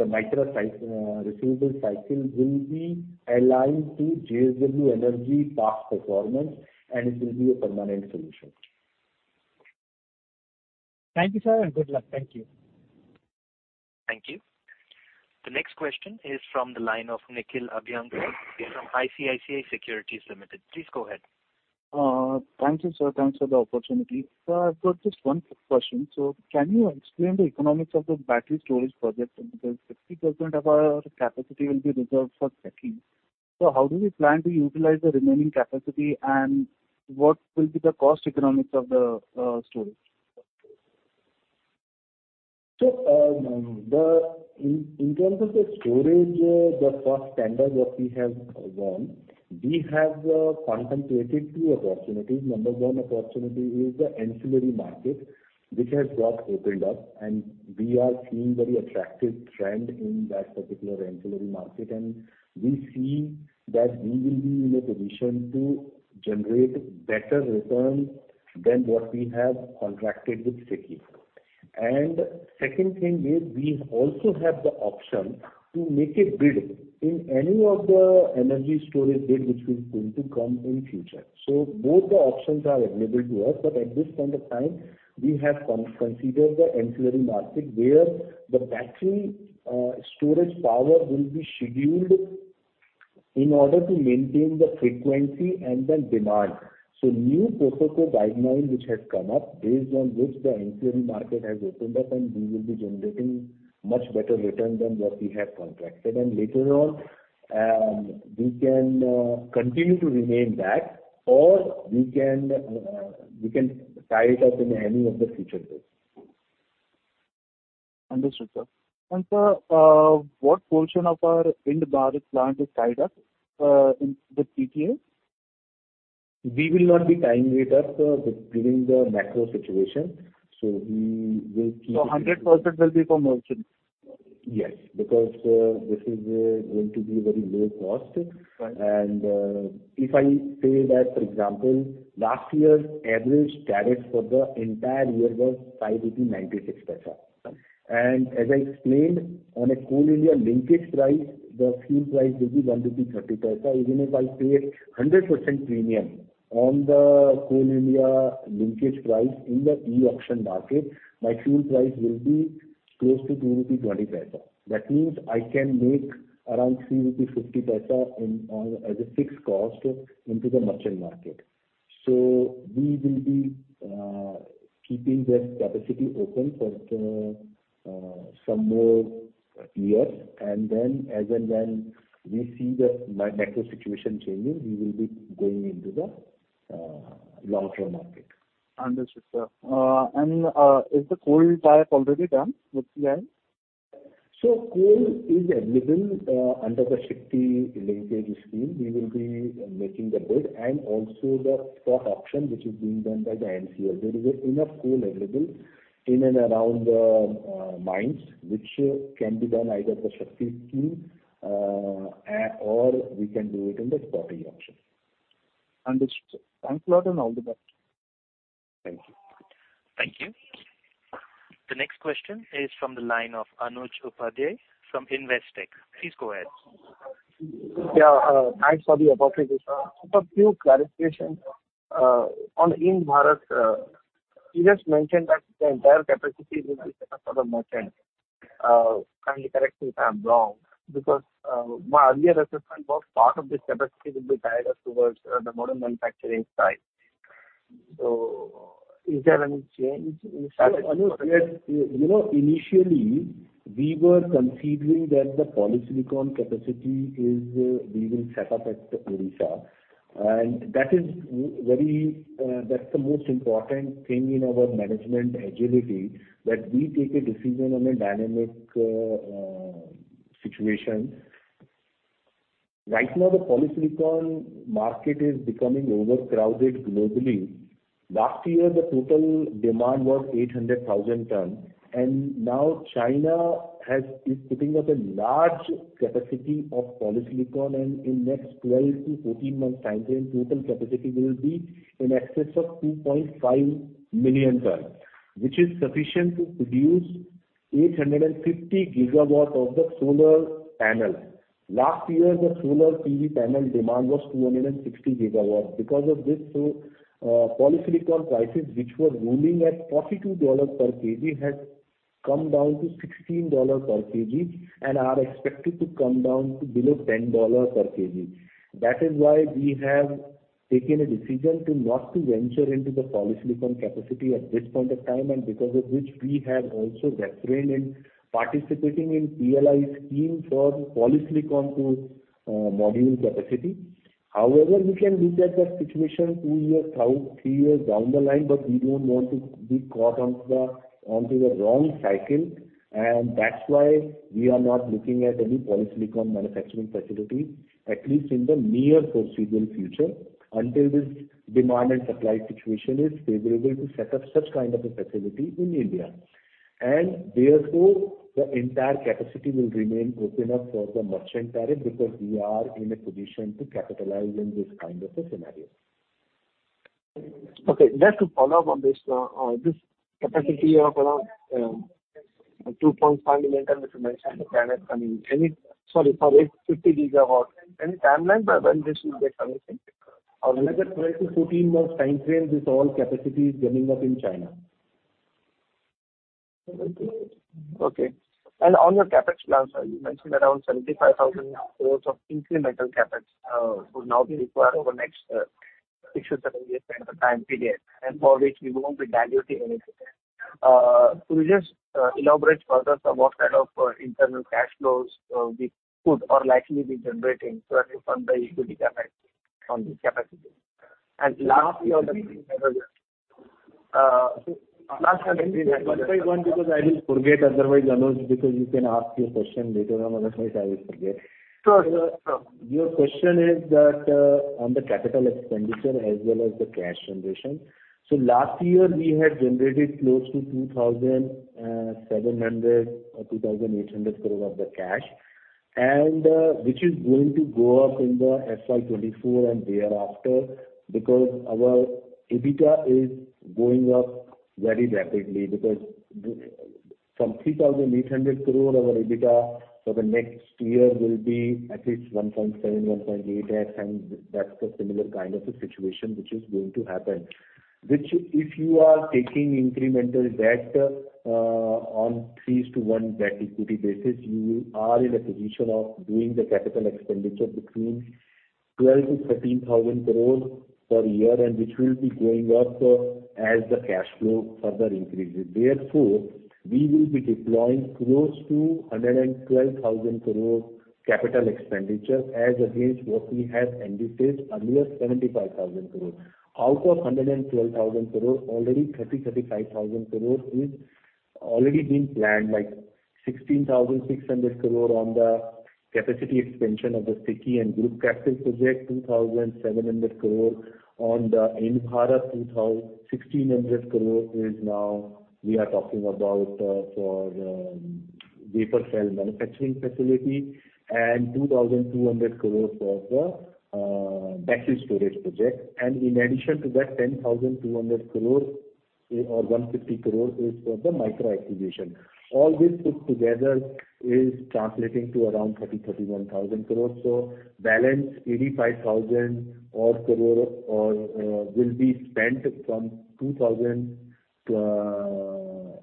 receivable cycle will be aligned to JSW Energy past performance, and it will be a permanent solution. Thank you, sir. Good luck. Thank you. Thank you. The next question is from the line of Nikhil Abhyankar from ICICI Securities Limited. Please go ahead. Thank you, sir. Thanks for the opportunity. Sir, I've got just one quick question. Can you explain the economics of the battery storage project? Because 50% of our capacity will be reserved for SHAKTI. How do we plan to utilize the remaining capacity, and what will be the cost economics of the storage? In terms of the storage, the first tender what we have won, we have contemplated two opportunities. Number one opportunity is the ancillary market, which has got opened up, and we are seeing very attractive trend in that particular ancillary market. We see that we will be in a position to generate better return than what we have contracted with SHAKTI. Second thing is we also have the option to make a bid in any of the energy storage bid which is going to come in future. Both the options are available to us. At this point of time, we have considered the ancillary market, where the battery storage power will be scheduled in order to maintain the frequency and the demand. New protocol guideline which has come up based on which the ancillary market has opened up, and we will be generating much better return than what we have contracted. Later on, we can continue to remain that or we can tie it up in any of the future bids. Understood, sir. Sir, what portion of our Ind-Barath plant is tied up in with PPA? We will not be tying it up with during the macro situation. We will keep it. 100% will be for merchant? Yes. Because this is going to be very low cost. If I say that for example last year average tariff for the entire year was 5.96 rupees. As I explained on a Coal India linkage price, the fuel price will be 1.30 rupees. Even if I pay 100% premium on the Coal India linkage price in the e-auction market, my fuel price will be close to 2.20 rupees. That means I can make around 3.50 rupees as a fixed cost into the merchant market. We will be keeping this capacity open for some more years. As and when we see the macro situation changing, we will be going into the long-term market. Understood, sir. Is the coal tie-up already done with CIL? Coal is available under the SHAKTI linkage scheme. We will be making the bid and also the spot auction which is being done by the NCL. There is enough coal available in and around the mines which can be done either the SHAKTI scheme or we can do it in the spot auction. Understood. Thanks a lot and all the best. Thank you. Thank you. The next question is from the line of Anuj Upadhyay from Investec. Please go ahead. Yeah. Thanks for the opportunity, sir. Just a few clarifications on Ind-Barath. You just mentioned that the entire capacity will be set up for the merchant. Kindly correct me if I'm wrong, because my earlier assessment was part of this capacity will be tied up towards the module manufacturing side. Is there any change in that? Anuj, yes. You, you know, initially we were considering that the polysilicon capacity is, we will set up at Orissa. That is very, that's the most important thing in our management agility, that we take a decision on a dynamic situation. Right now, the polysilicon market is becoming overcrowded globally. Last year, the total demand was 800,000 tons. Now China has, is putting up a large capacity of polysilicon. In next 12-14 months timeframe, total capacity will be in excess of 2.5 million tons, which is sufficient to produce 850 gigawatts of the solar panel. Last year, the solar PV panel demand was 260 gigawatts. Because of this, polysilicon prices which were ruling at $42 per kg has come down to $16 per kg and are expected to come down to below $10 per kg. That is why we have taken a decision to not to venture into the polysilicon capacity at this point of time. Because of which we have also refrained in participating in PLI scheme for polysilicon to module capacity. However, we can look at the situation two years, three years down the line, but we don't want to be caught onto the wrong cycle. That's why we are not looking at any polysilicon manufacturing facility, at least in the near foreseeable future, until this demand and supply situation is favorable to set up such kind of a facility in India. Therefore, the entire capacity will remain open up for the merchant tariff because we are in a position to capitalize in this kind of a scenario. Okay. Just to follow up on this capacity of around 2.5 million that you mentioned for China coming. Sorry, 50 gigawatt. Any timeline by when this will get commissioned? Another 12-14 months time frame, this all capacity is coming up in China. Okay. On your CapEx plan, sir, you mentioned around 75,000 crores of incremental CapEx would now be required over next 6-7 years time period, and for which we won't be diluting anything. Could you just elaborate further on what kind of internal cash flows we could or likely be generating to refund the equity CapEx on this capacity? Lastly. One by one because I will forget, otherwise, Anuj, because you can ask your question later on, otherwise I will forget. Sure, sure. Your question is that on the capital expenditure as well as the cash generation. Last year we had generated close to 2,700 crore or 2,800 crore of the cash. Which is going to go up in FY24 and thereafter because our EBITDA is going up very rapidly because from 3,800 crore our EBITDA for the next year will be at least 1.7x-1.8x and that's the similar kind of a situation which is going to happen. If you are taking incremental debt on 3:1 debt equity basis, you are in a position of doing the capital expenditure between 12,000 crore-13,000 crore per year and which will be going up as the cash flow further increases. Therefore, we will be deploying close to 112,000 crore capital expenditure as against what we had indicated, a mere 75,000 crore. Out of 112,000 crore, already 30,000-35,000 crore is already been planned, like 16,600 crore on the capacity expansion of the SECI and Group Captive project, 2,700 crore on the Ind-Barath, 1,600 crore is now we are talking about for the wafer cell manufacturing facility and 2,200 crore for the battery storage project. In addition to that, 10,200 crore or 150 crore is for the Mytrah acquisition. All this put together is translating to around 30,000-31,000 crore. Balance 85,000 odd crore will be spent from 2024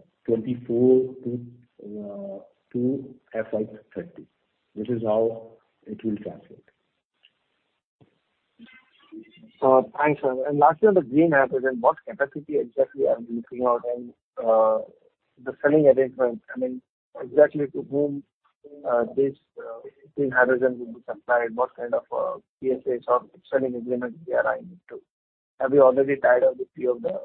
to FY 2030. This is how it will translate. Thanks, sir. Lastly on the green hydrogen, what capacity exactly are we looking out and, the selling arrangements, I mean, exactly to whom, this, green hydrogen will be supplied? What kind of, PSAs or selling agreement we are eyeing to? Have you already tied up with few of the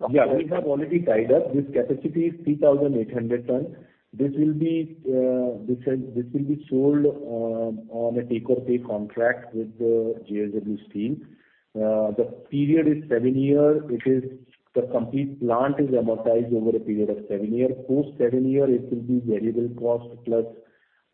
customers? Yeah, we have already tied up. This capacity is 3,800 tons. This will be sold on a take or pay contract with JSW Steel. The period is seven years. The complete plant is amortized over a period of seven years. Post seven years it will be variable cost plus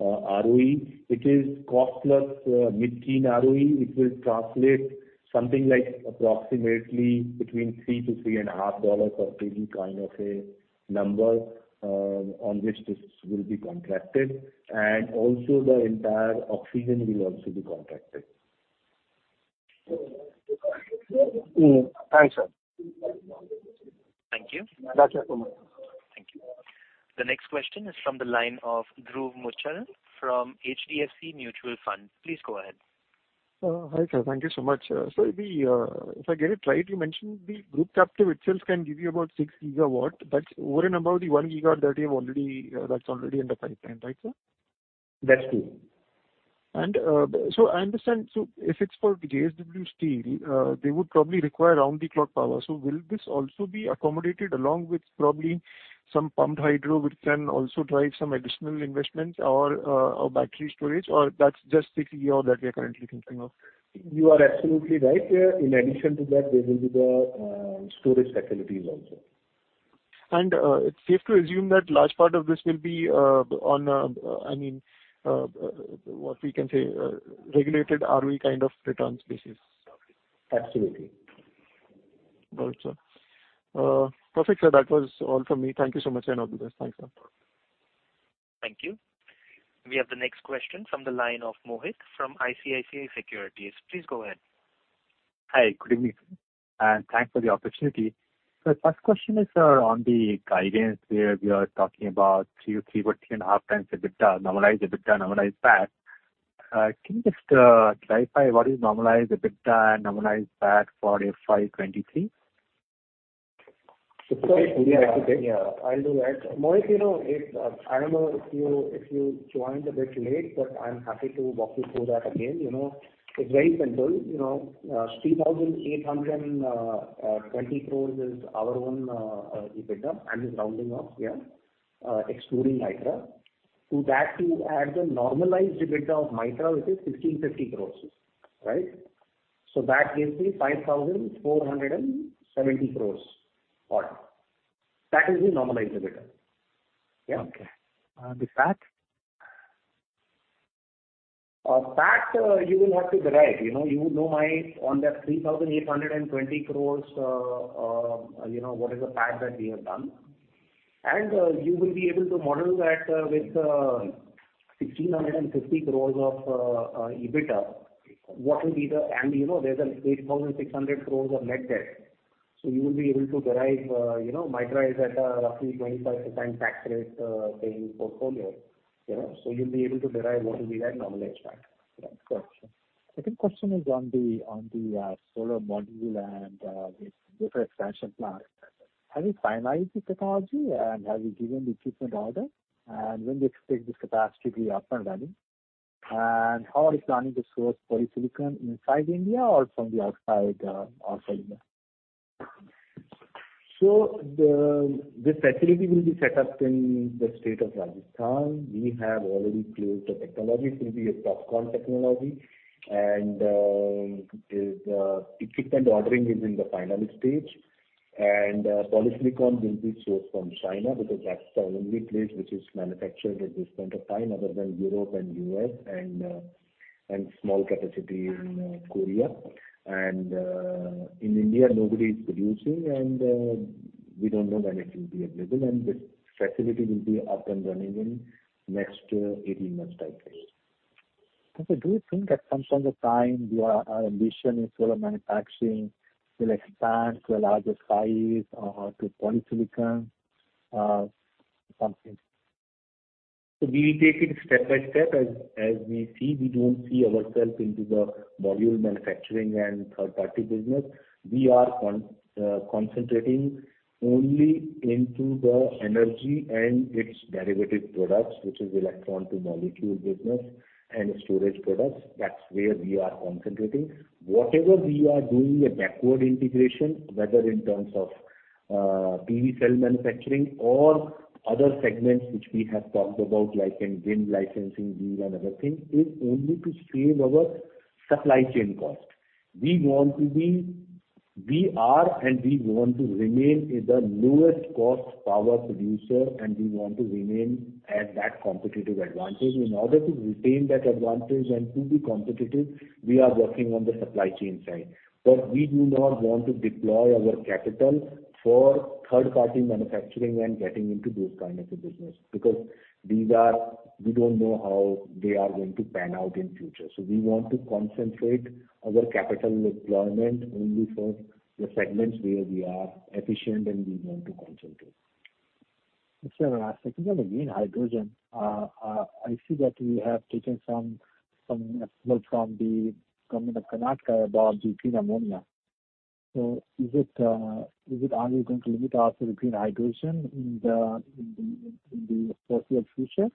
ROE. It is cost plus mid-teen ROE. It will translate something like approximately between $3-$3.5 per kg kind of a number on which this will be contracted. Also the entire oxygen will also be contracted. Thanks, sir. Thank you. Thank you so much. Thank you. The next question is from the line of Dhruv Muchhal from HDFC Mutual Fund. Please go ahead. Hi, sir. Thank you so much. If I get it right, you mentioned the Group Captive itself can give you about 6 gigawatt. That's over and above the 1 giga that you have already, that's already in the pipeline, right, sir? That's true. I understand. If it's for JSW Steel, they would probably require round the clock power. Will this also be accommodated along with probably some pumped hydro which can also drive some additional investments or a battery storage, or that's just the 6 GW that we are currently thinking of? You are absolutely right. In addition to that, there will be the storage facilities also. It's safe to assume that large part of this will be on, I mean, what we can say, regulated ROE kind of return basis? Absolutely. Got it, sir. Perfect, sir. That was all from me. Thank you so much. All the best. Thanks, sir. Thank you. We have the next question from the line of Mohit from ICICI Securities. Please go ahead. Hi. Good evening, and thanks for the opportunity. The first question is on the guidance where we are talking about 3.5 times EBITDA, normalized EBITDA, normalized PAT. Can you just clarify what is normalized EBITDA and normalized PAT for FY 2023? Yeah. I'll do that. Mohit, you know, I don't know if you joined a bit late, but I'm happy to walk you through that again. You know, it's very simple. You know, 3,820 crores is our own EBITDA annual rounding off, yeah, excluding Mytrah. To that you add the normalized EBITDA of Mytrah, which is 1,650 crores, right? That gives me 5,470 crores odd. That is the normalized EBITDA. Yeah. Okay. The PAT? PAT, you will have to derive. You know, you know on that 3,820 crores, you know, what is the PAT that we have done. You will be able to model that with 1,650 crores of EBITDA. You know there's an 8,600 crores of net debt. You will be able to derive, you know, Mytrah is at a roughly 25%-10% tax rate paying portfolio. You know, you'll be able to derive what will be that normalized PAT. Got you. Second question is on the solar module and the wafer expansion plant. Have you finalized the technology, have you given the equipment order, and when do you expect this capacity to be up and running? How are you planning to source polysilicon inside India or from the outside India? The facility will be set up in the state of Rajasthan. We have already closed the technology. It will be a TOPCon technology, and the equipment ordering is in the final stage. Polysilicon will be sourced from China because that's the only place which is manufactured at this point of time other than Europe and U.S. and small capacity in Korea. In India, nobody is producing, and we don't know when it will be available. This facility will be up and running in next to 18 months time frame. Okay. Do you think at some point of time your ambition in solar manufacturing will expand to a larger size or to polysilicon, something? We will take it step by step as we see. We don't see ourself into the module manufacturing and third-party business. We are concentrating only into the energy and its derivative products, which is electron to molecule business and storage products. That's where we are concentrating. Whatever we are doing a backward integration, whether in terms of PV cell manufacturing or other segments which we have talked about like in wind licensing deal and other things, is only to save our supply chain cost. We are and we want to remain as the lowest cost power producer, and we want to remain at that competitive advantage. In order to retain that advantage and to be competitive, we are working on the supply chain side. We do not want to deploy our capital for third-party manufacturing and getting into those kind of a business because these are, we don't know how they are going to pan out in future. We want to concentrate our capital deployment only for the segments where we are efficient and we want to concentrate. Sir, second one, again, hydrogen. I see that you have taken some approval from the Government of Karnataka about the green ammonia. Is it only going to limit our green hydrogen in the foreseeable future?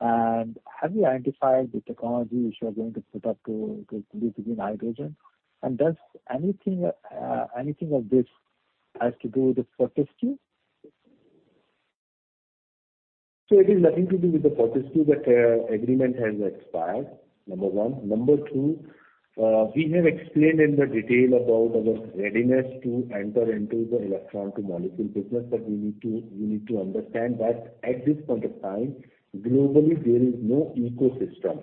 Have you identified the technology which you are going to put up to produce green hydrogen? Does anything of this has to do with Fortescue? It is nothing to do with the Fortescue. That agreement has expired, number one. Number two, we have explained in the detail about our readiness to enter into the electron to molecule business. We need to understand that at this point of time, globally, there is no ecosystem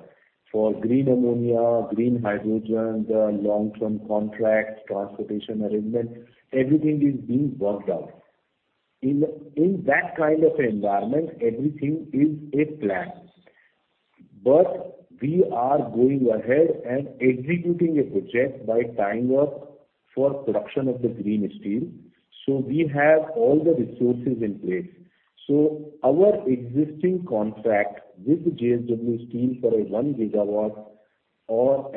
for green ammonia, green hydrogen, the long-term contracts, transportation arrangements. Everything is being worked out. In that kind of environment, everything is a plan. We are going ahead and executing a project by tying up for production of the green steel. We have all the resources in place. Our existing contract with JSW Steel for a 1 gigawatt or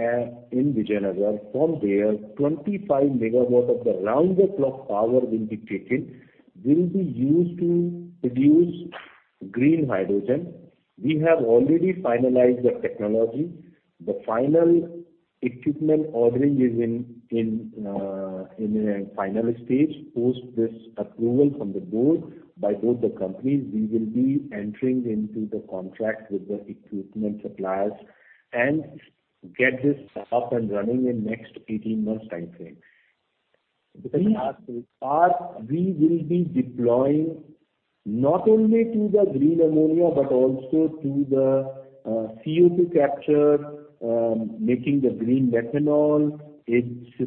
in Vijaynagar, from there, 25 megawatt of the round the clock power will be taken, will be used to produce green hydrogen. We have already finalized the technology. The final equipment ordering is in a final stage. Post this approval from the board by both the companies, we will be entering into the contract with the equipment suppliers and get this up and running in next 18 months time frame. These are we will be deploying not only to the green ammonia, but also to the CO₂ capture, making the green methanol. It's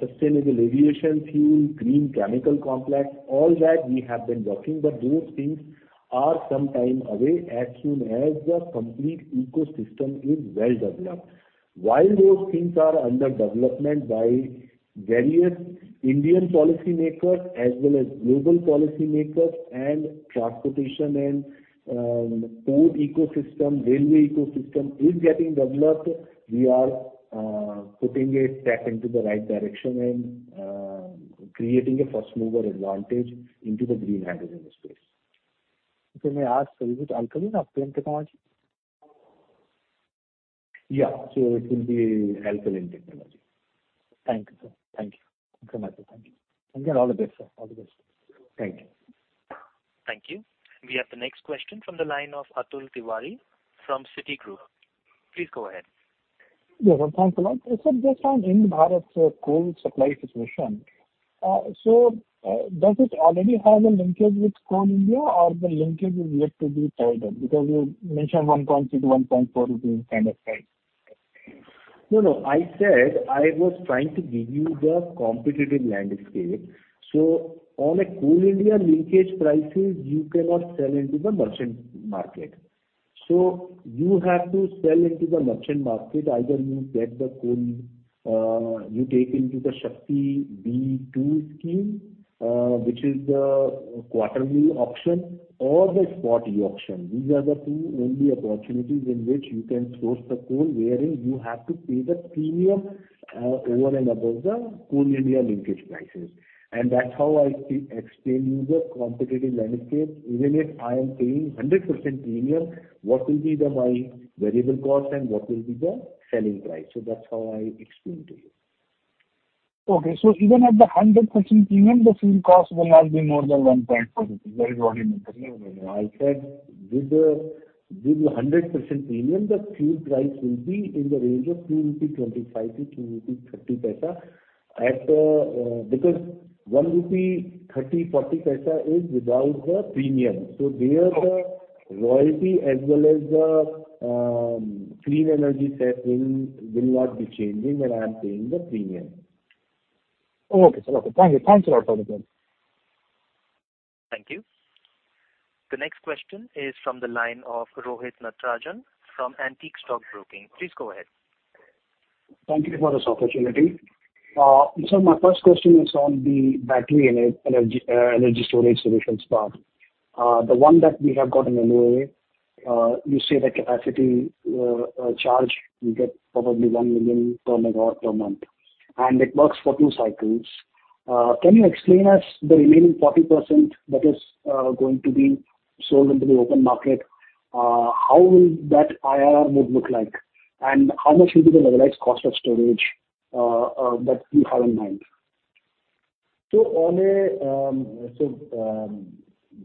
sustainable aviation fuel, green chemical complex, all that we have been working. Those things are some time away as soon as the complete ecosystem is well developed. Those things are under development by various Indian policymakers as well as global policymakers and transportation and port ecosystem, railway ecosystem is getting developed, we are putting a step into the right direction and creating a first mover advantage into the green hydrogen space. If I may ask, sir, is it alkaline or PEM technology? Yeah. It will be alkaline technology. Thank you, sir. Thank you. Thank you so much. Thank you. Yeah, all the best, sir. All the best. Thank you. Thank you. We have the next question from the line of Atul Tiwari from Citigroup. Please go ahead. Yes, sir. Thanks a lot. Sir, just on Ind-Barath's coal supply situation. Does it already have a linkage with Coal India or the linkage is yet to be tied up? Because you mentioned 1.6-1.4 rupees kind of price. No, no. I said I was trying to give you the competitive landscape. On a Coal India linkage prices, you cannot sell into the merchant market. You have to sell into the merchant market. Either you get the coal, you take into the SHAKTI B(ii) scheme, which is the quarterly auction or the spot auction. These are the two only opportunities in which you can source the coal, wherein you have to pay the premium, over and above the Coal India linkage prices. That's how I explain you the competitive landscape. Even if I am paying 100% premium, what will be the my variable cost and what will be the selling price. That's how I explain to you. Okay. Even at the 100% premium, the fuel cost will not be more than 1.4. That is what you mentioned. No, no. I said with the, with the 100% premium, the fuel price will be in the range of 2.25 rupees to 2.30 rupees at the. Because 1.30-1.40 rupee is without the premium, the royalty as well as the Clean Energy Cess will not be changing when I am paying the premium. Okay, sir. Okay. Thank you. Thanks a lot for the clarity. Thank you. The next question is from the line of Rohit Natarajan from Antique Stock Broking. Please go ahead. Thank you for this opportunity. My first question is on the battery energy storage solutions part. The one that we have got in MoU, you say the capacity charge you get probably 1 million per megawatt per month, and it works for two cycles. Can you explain us the remaining 40% that is going to be sold into the open market? How will that IRR would look like? How much will be the levelized cost of storage that you have in mind? On a,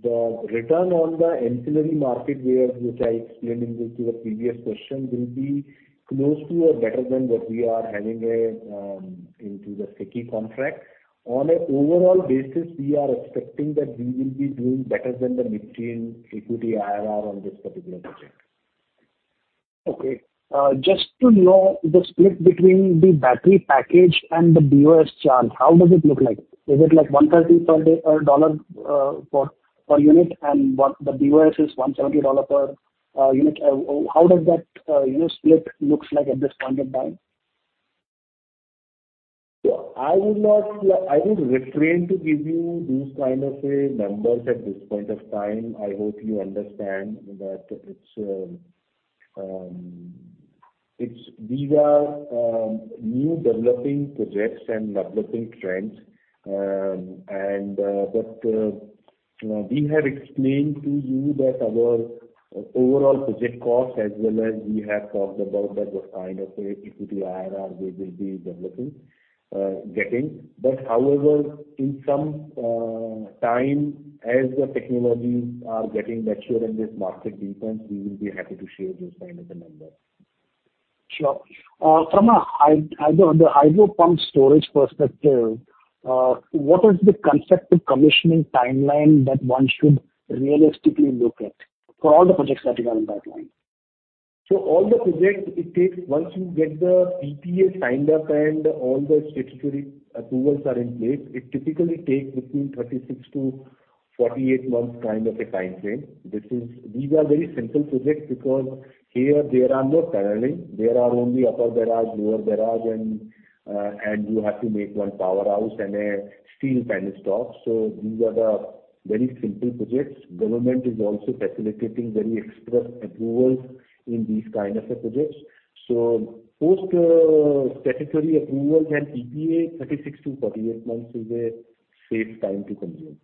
the return on the ancillary market where, which I explained into your previous question, will be close to or better than what we are having a into the SECI contract. On a overall basis, we are expecting that we will be doing better than the mid-teen equity IRR on this particular project. Okay. Just to know the split between the battery package and the BOS charge, how does it look like? Is it like $130 per unit and what the BOS is $170 per unit? How does that, you know, split looks like at this point of time? I will refrain to give you these kind of a numbers at this point of time. I hope you understand that these are new developing projects and developing trends. We have explained to you that our overall project cost as well as we have talked about that what kind of a equity IRR we will be developing, getting. However, in some time as the technologies are getting mature and this market deepens, we will be happy to share those kind of the numbers. Sure. From the hydro pump storage perspective, what is the constructive commissioning timeline that one should realistically look at for all the projects that you have in pipeline? All the projects it takes once you get the PPA signed up and all the statutory approvals are in place, it typically takes between 36 to 48 months kind of a timeframe. These are very simple projects because here there are no tunneling. There are only upper barrage, lower barrage and you have to make one powerhouse and a steel penstock. These are the very simple projects. Government is also facilitating very express approvals in these kind of projects. Post statutory approvals and PPA, 36 to 48 months is a safe time to consume.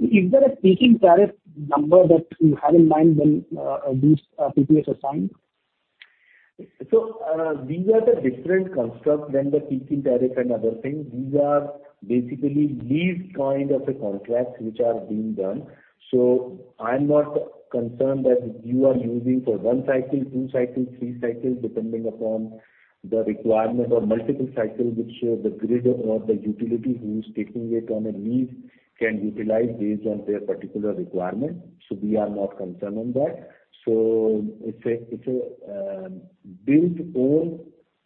Is there a taking tariff number that you have in mind when these PPAs are signed? These are the different construct than the peak in tariff and other things. These are basically lease kind of a contract which are being done. I'm not concerned that you are using for one cycle, two cycles, three cycles, depending upon the requirement or multiple cycles which the grid or the utility who's taking it on a lease can utilize based on their particular requirement. We are not concerned on that. It's a build, own,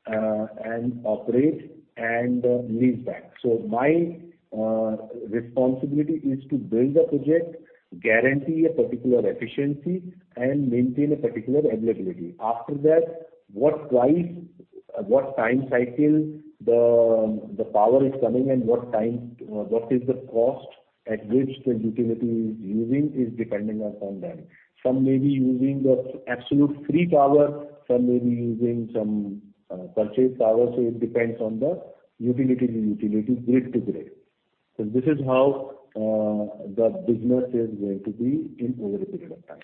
and operate and lease back. My responsibility is to build a project, guarantee a particular efficiency, and maintain a particular availability. After that, what price, what time cycle the power is coming and what time, what is the cost at which the utility is using is depending upon them. Some may be using the absolute free power, some may be using some, purchase power. It depends on the utility to utility, grid to grid. This is how, the business is going to be in over a period of time.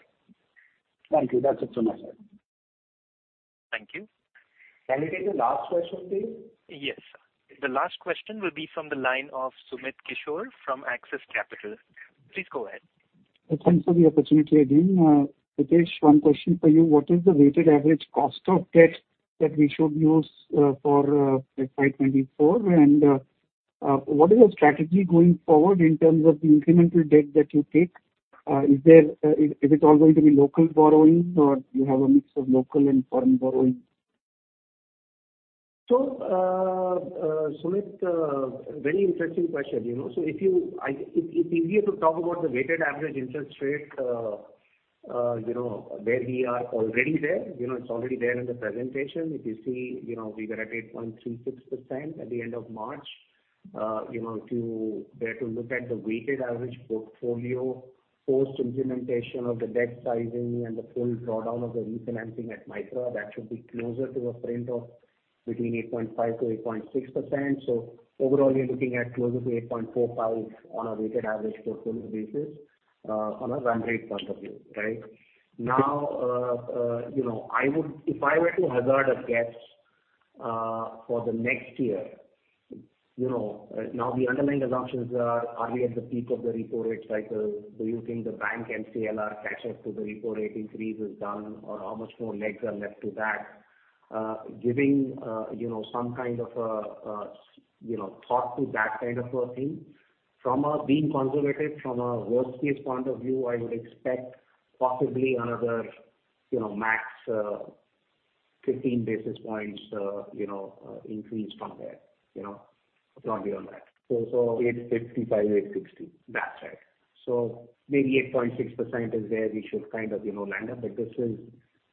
Thank you. That's it from my side. Thank you. Can we take the last question, please? Yes. The last question will be from the line of Sumit Kishore from Axis Capital. Please go ahead. Thanks for the opportunity again. Pritesh, one question for you. What is the weighted average cost of debt that we should use, for, like 2024? What is your strategy going forward in terms of the incremental debt that you take? Is there, is it all going to be local borrowings, or do you have a mix of local and foreign borrowings? Sumit, very interesting question, you know. It's easier to talk about the weighted average interest rate, you know, where we are already there. You know, it's already there in the presentation. If you see, you know, we were at 8.36% at the end of March. You know, to look at the weighted average portfolio, post-implementation of the debt sizing and the full drawdown of the refinancing at Mytrah, that should be closer to a print of between 8.5%-8.6%. Overall, you're looking at closer to 8.45% on a weighted average portfolio basis, on a run rate point of view, right? Now, you know, if I were to hazard a guess, for the next year, you know, now the underlying assumptions are we at the peak of the repo rate cycle? Do you think the bank MCLR catch-up to the repo rate increase is done or how much more legs are left to that? Giving, you know, some kind of, you know, thought to that kind of a thing. From a being conservative, from a worst case point of view, I would expect possibly another, you know, max, 15 basis points, you know, increase from there, you know, probably on that. So, so eight fifty-five, eight sixty. That's right. Maybe 8.6% is where we should kind of, you know, land up. This is,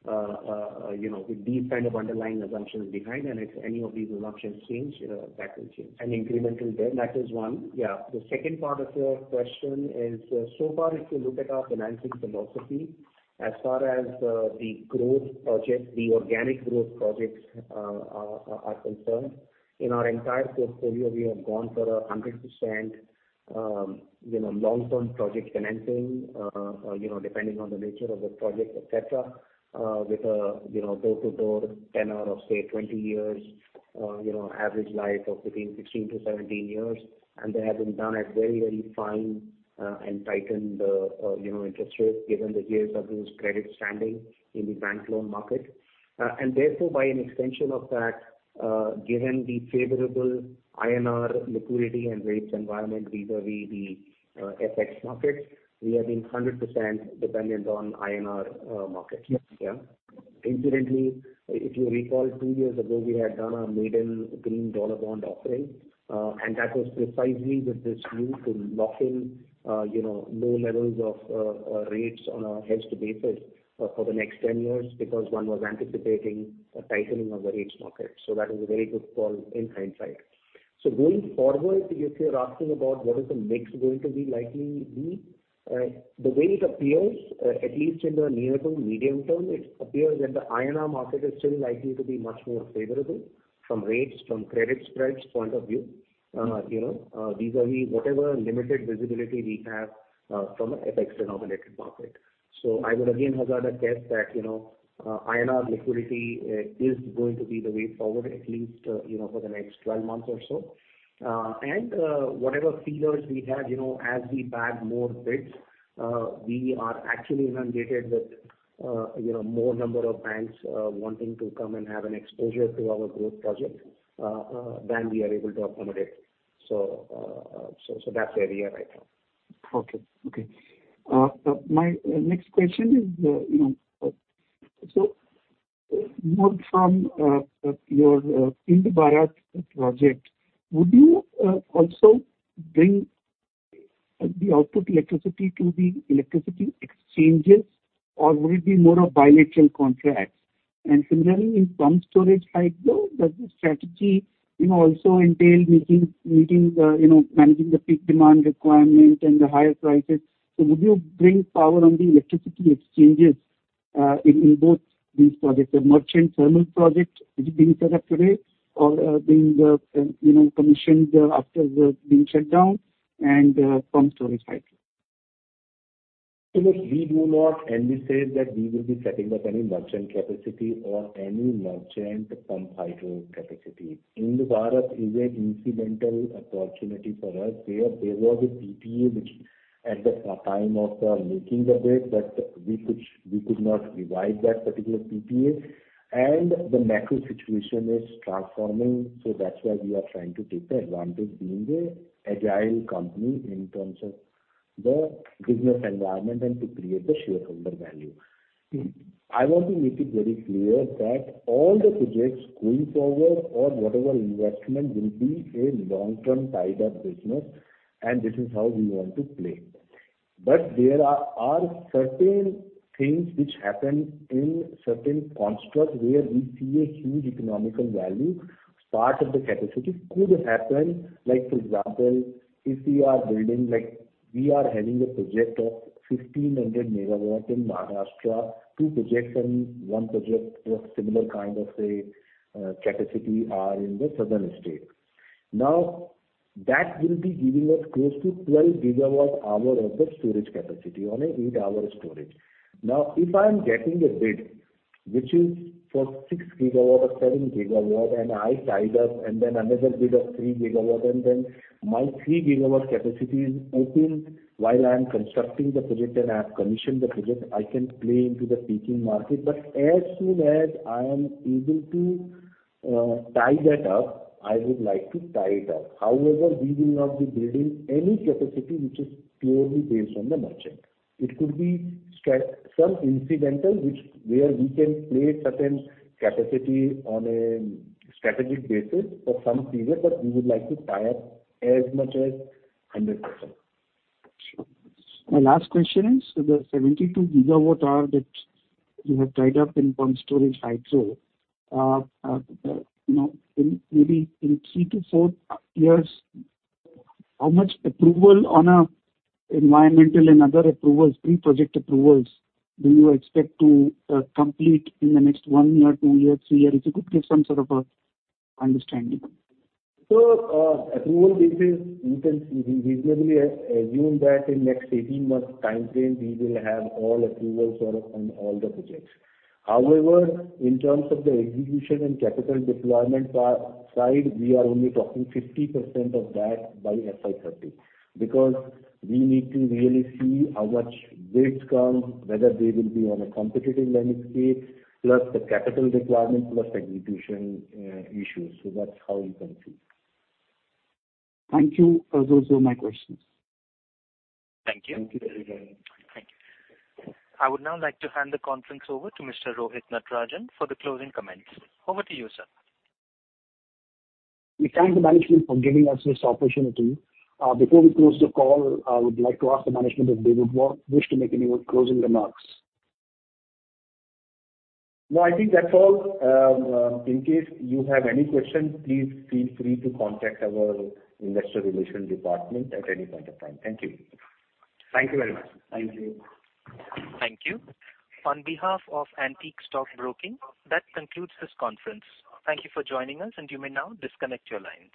you know, with these kind of underlying assumptions behind, and if any of these assumptions change, that will change. Incremental debt. That is one. The second part of your question is, so far if you look at our financing philosophy, as far as the growth projects, the organic growth projects are concerned, in our entire portfolio, we have gone for a 100%, you know, long-term project financing, you know, depending on the nature of the project, et cetera, with a, you know, door-to-door tenor of, say, 20 years, you know, average life of between 16-17 years. They have been done at very, very fine and tightened, you know, interest rates given the years of this credit standing in the bank loan market. Therefore, by an extension of that, given the favorable INR liquidity and rates environment vis-a-vis the FX markets, we have been 100% dependent on INR markets. Incidentally, if you recall, two years ago, we had done our maiden green dollar bond offering, and that was precisely with this view to lock in, you know, low levels of rates on a hedge to basis for the next 10 years because one was anticipating a tightening of the rates market. Going forward, if you're asking about what is the mix going to be likely be, the way it appears, at least in the near to medium term, it appears that the INR market is still likely to be much more favorable from rates, from credit spreads point of view. You know, vis-a-vis whatever limited visibility we have from a FX denominated market. I would again hazard a guess that, you know, INR liquidity is going to be the way forward at least, you know, for the next 12 months or so. Whatever feelers we have, you know, as we bag more bids, we are actually inundated with, you know, more number of banks wanting to come and have an exposure to our growth project than we are able to accommodate. So that's where we are right now. Okay. Okay. My next question is, you know, so more from your Ind-Barath project, would you also bring the output electricity to the electricity exchanges, or would it be more of bilateral contracts? Similarly, in pump storage hydro, does the strategy, you know, also entail meeting the, you know, managing the peak demand requirement and the higher prices? Would you bring power on the electricity exchanges, in both these projects, the merchant thermal project which is being set up today or being, you know, commissioned after the being shut down and pump storage hydro? Look, we do not anticipate that we will be setting up any merchant capacity or any merchant pump hydro capacity. Ind-Barath is an incidental opportunity for us, where there was a PPA which at the time of our making the bid, but we could not revise that particular PPA and the macro situation is transforming. That's why we are trying to take the advantage being a agile company in terms of the business environment and to create the shareholder value. I want to make it very clear that all the projects going forward or whatever investment will be a long-term tied-up business, and this is how we want to play. There are certain things which happen in certain constructs where we see a huge economical value. Part of the capacity could happen, like for example, if we are building like we are having a project of 1,500 megawatts in Maharashtra, two projects and one project of similar kind of a capacity are in the southern state. That will be giving us close to 12 gigawatt-hour of the storage capacity on a 8-hour storage. If I'm getting a bid which is for 6 gigawatt or 7 gigawatt and I tied up and then another bid of 3 gigawatt and then my 3 gigawatt capacity is open while I am constructing the project and I have commissioned the project, I can play into the peaking market. As soon as I am able to tie that up, I would like to tie it up. However, we will not be building any capacity which is purely based on the merchant. It could be some incidental which where we can play certain capacity on a strategic basis for some period, but we would like to tie up as much as 100%. Sure. My last question is, the 72 gigawatt hour that you have tied up in pump storage hydro, you know, in maybe in 3 to 4 years, how much approval on a environmental and other approvals, pre-project approvals do you expect to complete in the next one year, two years, three years? If you could give some sort of a understanding. Approval basis, we can reasonably assume that in next 18 months timeframe, we will have all approvals for us on all the projects. However, in terms of the execution and capital deployment side, we are only talking 50% of that by FY 2030, because we need to really see how much bids come, whether they will be on a competitive landscape, plus the capital requirement, plus execution, issues. That's how we can see. Thank you. Those are my questions. Thank you. Thank you very much. Thank you. I would now like to hand the conference over to Mr. Rohit Natarajan for the closing comments. Over to you, sir. We thank the management for giving us this opportunity. Before we close the call, I would like to ask the management if they would wish to make any closing remarks. No, I think that's all. In case you have any questions, please feel free to contact our investor relations department at any point of time. Thank you. Thank you very much. Thank you. Thank you. On behalf of Antique Stock Broking, that concludes this conference. Thank you for joining us, and you may now disconnect your line.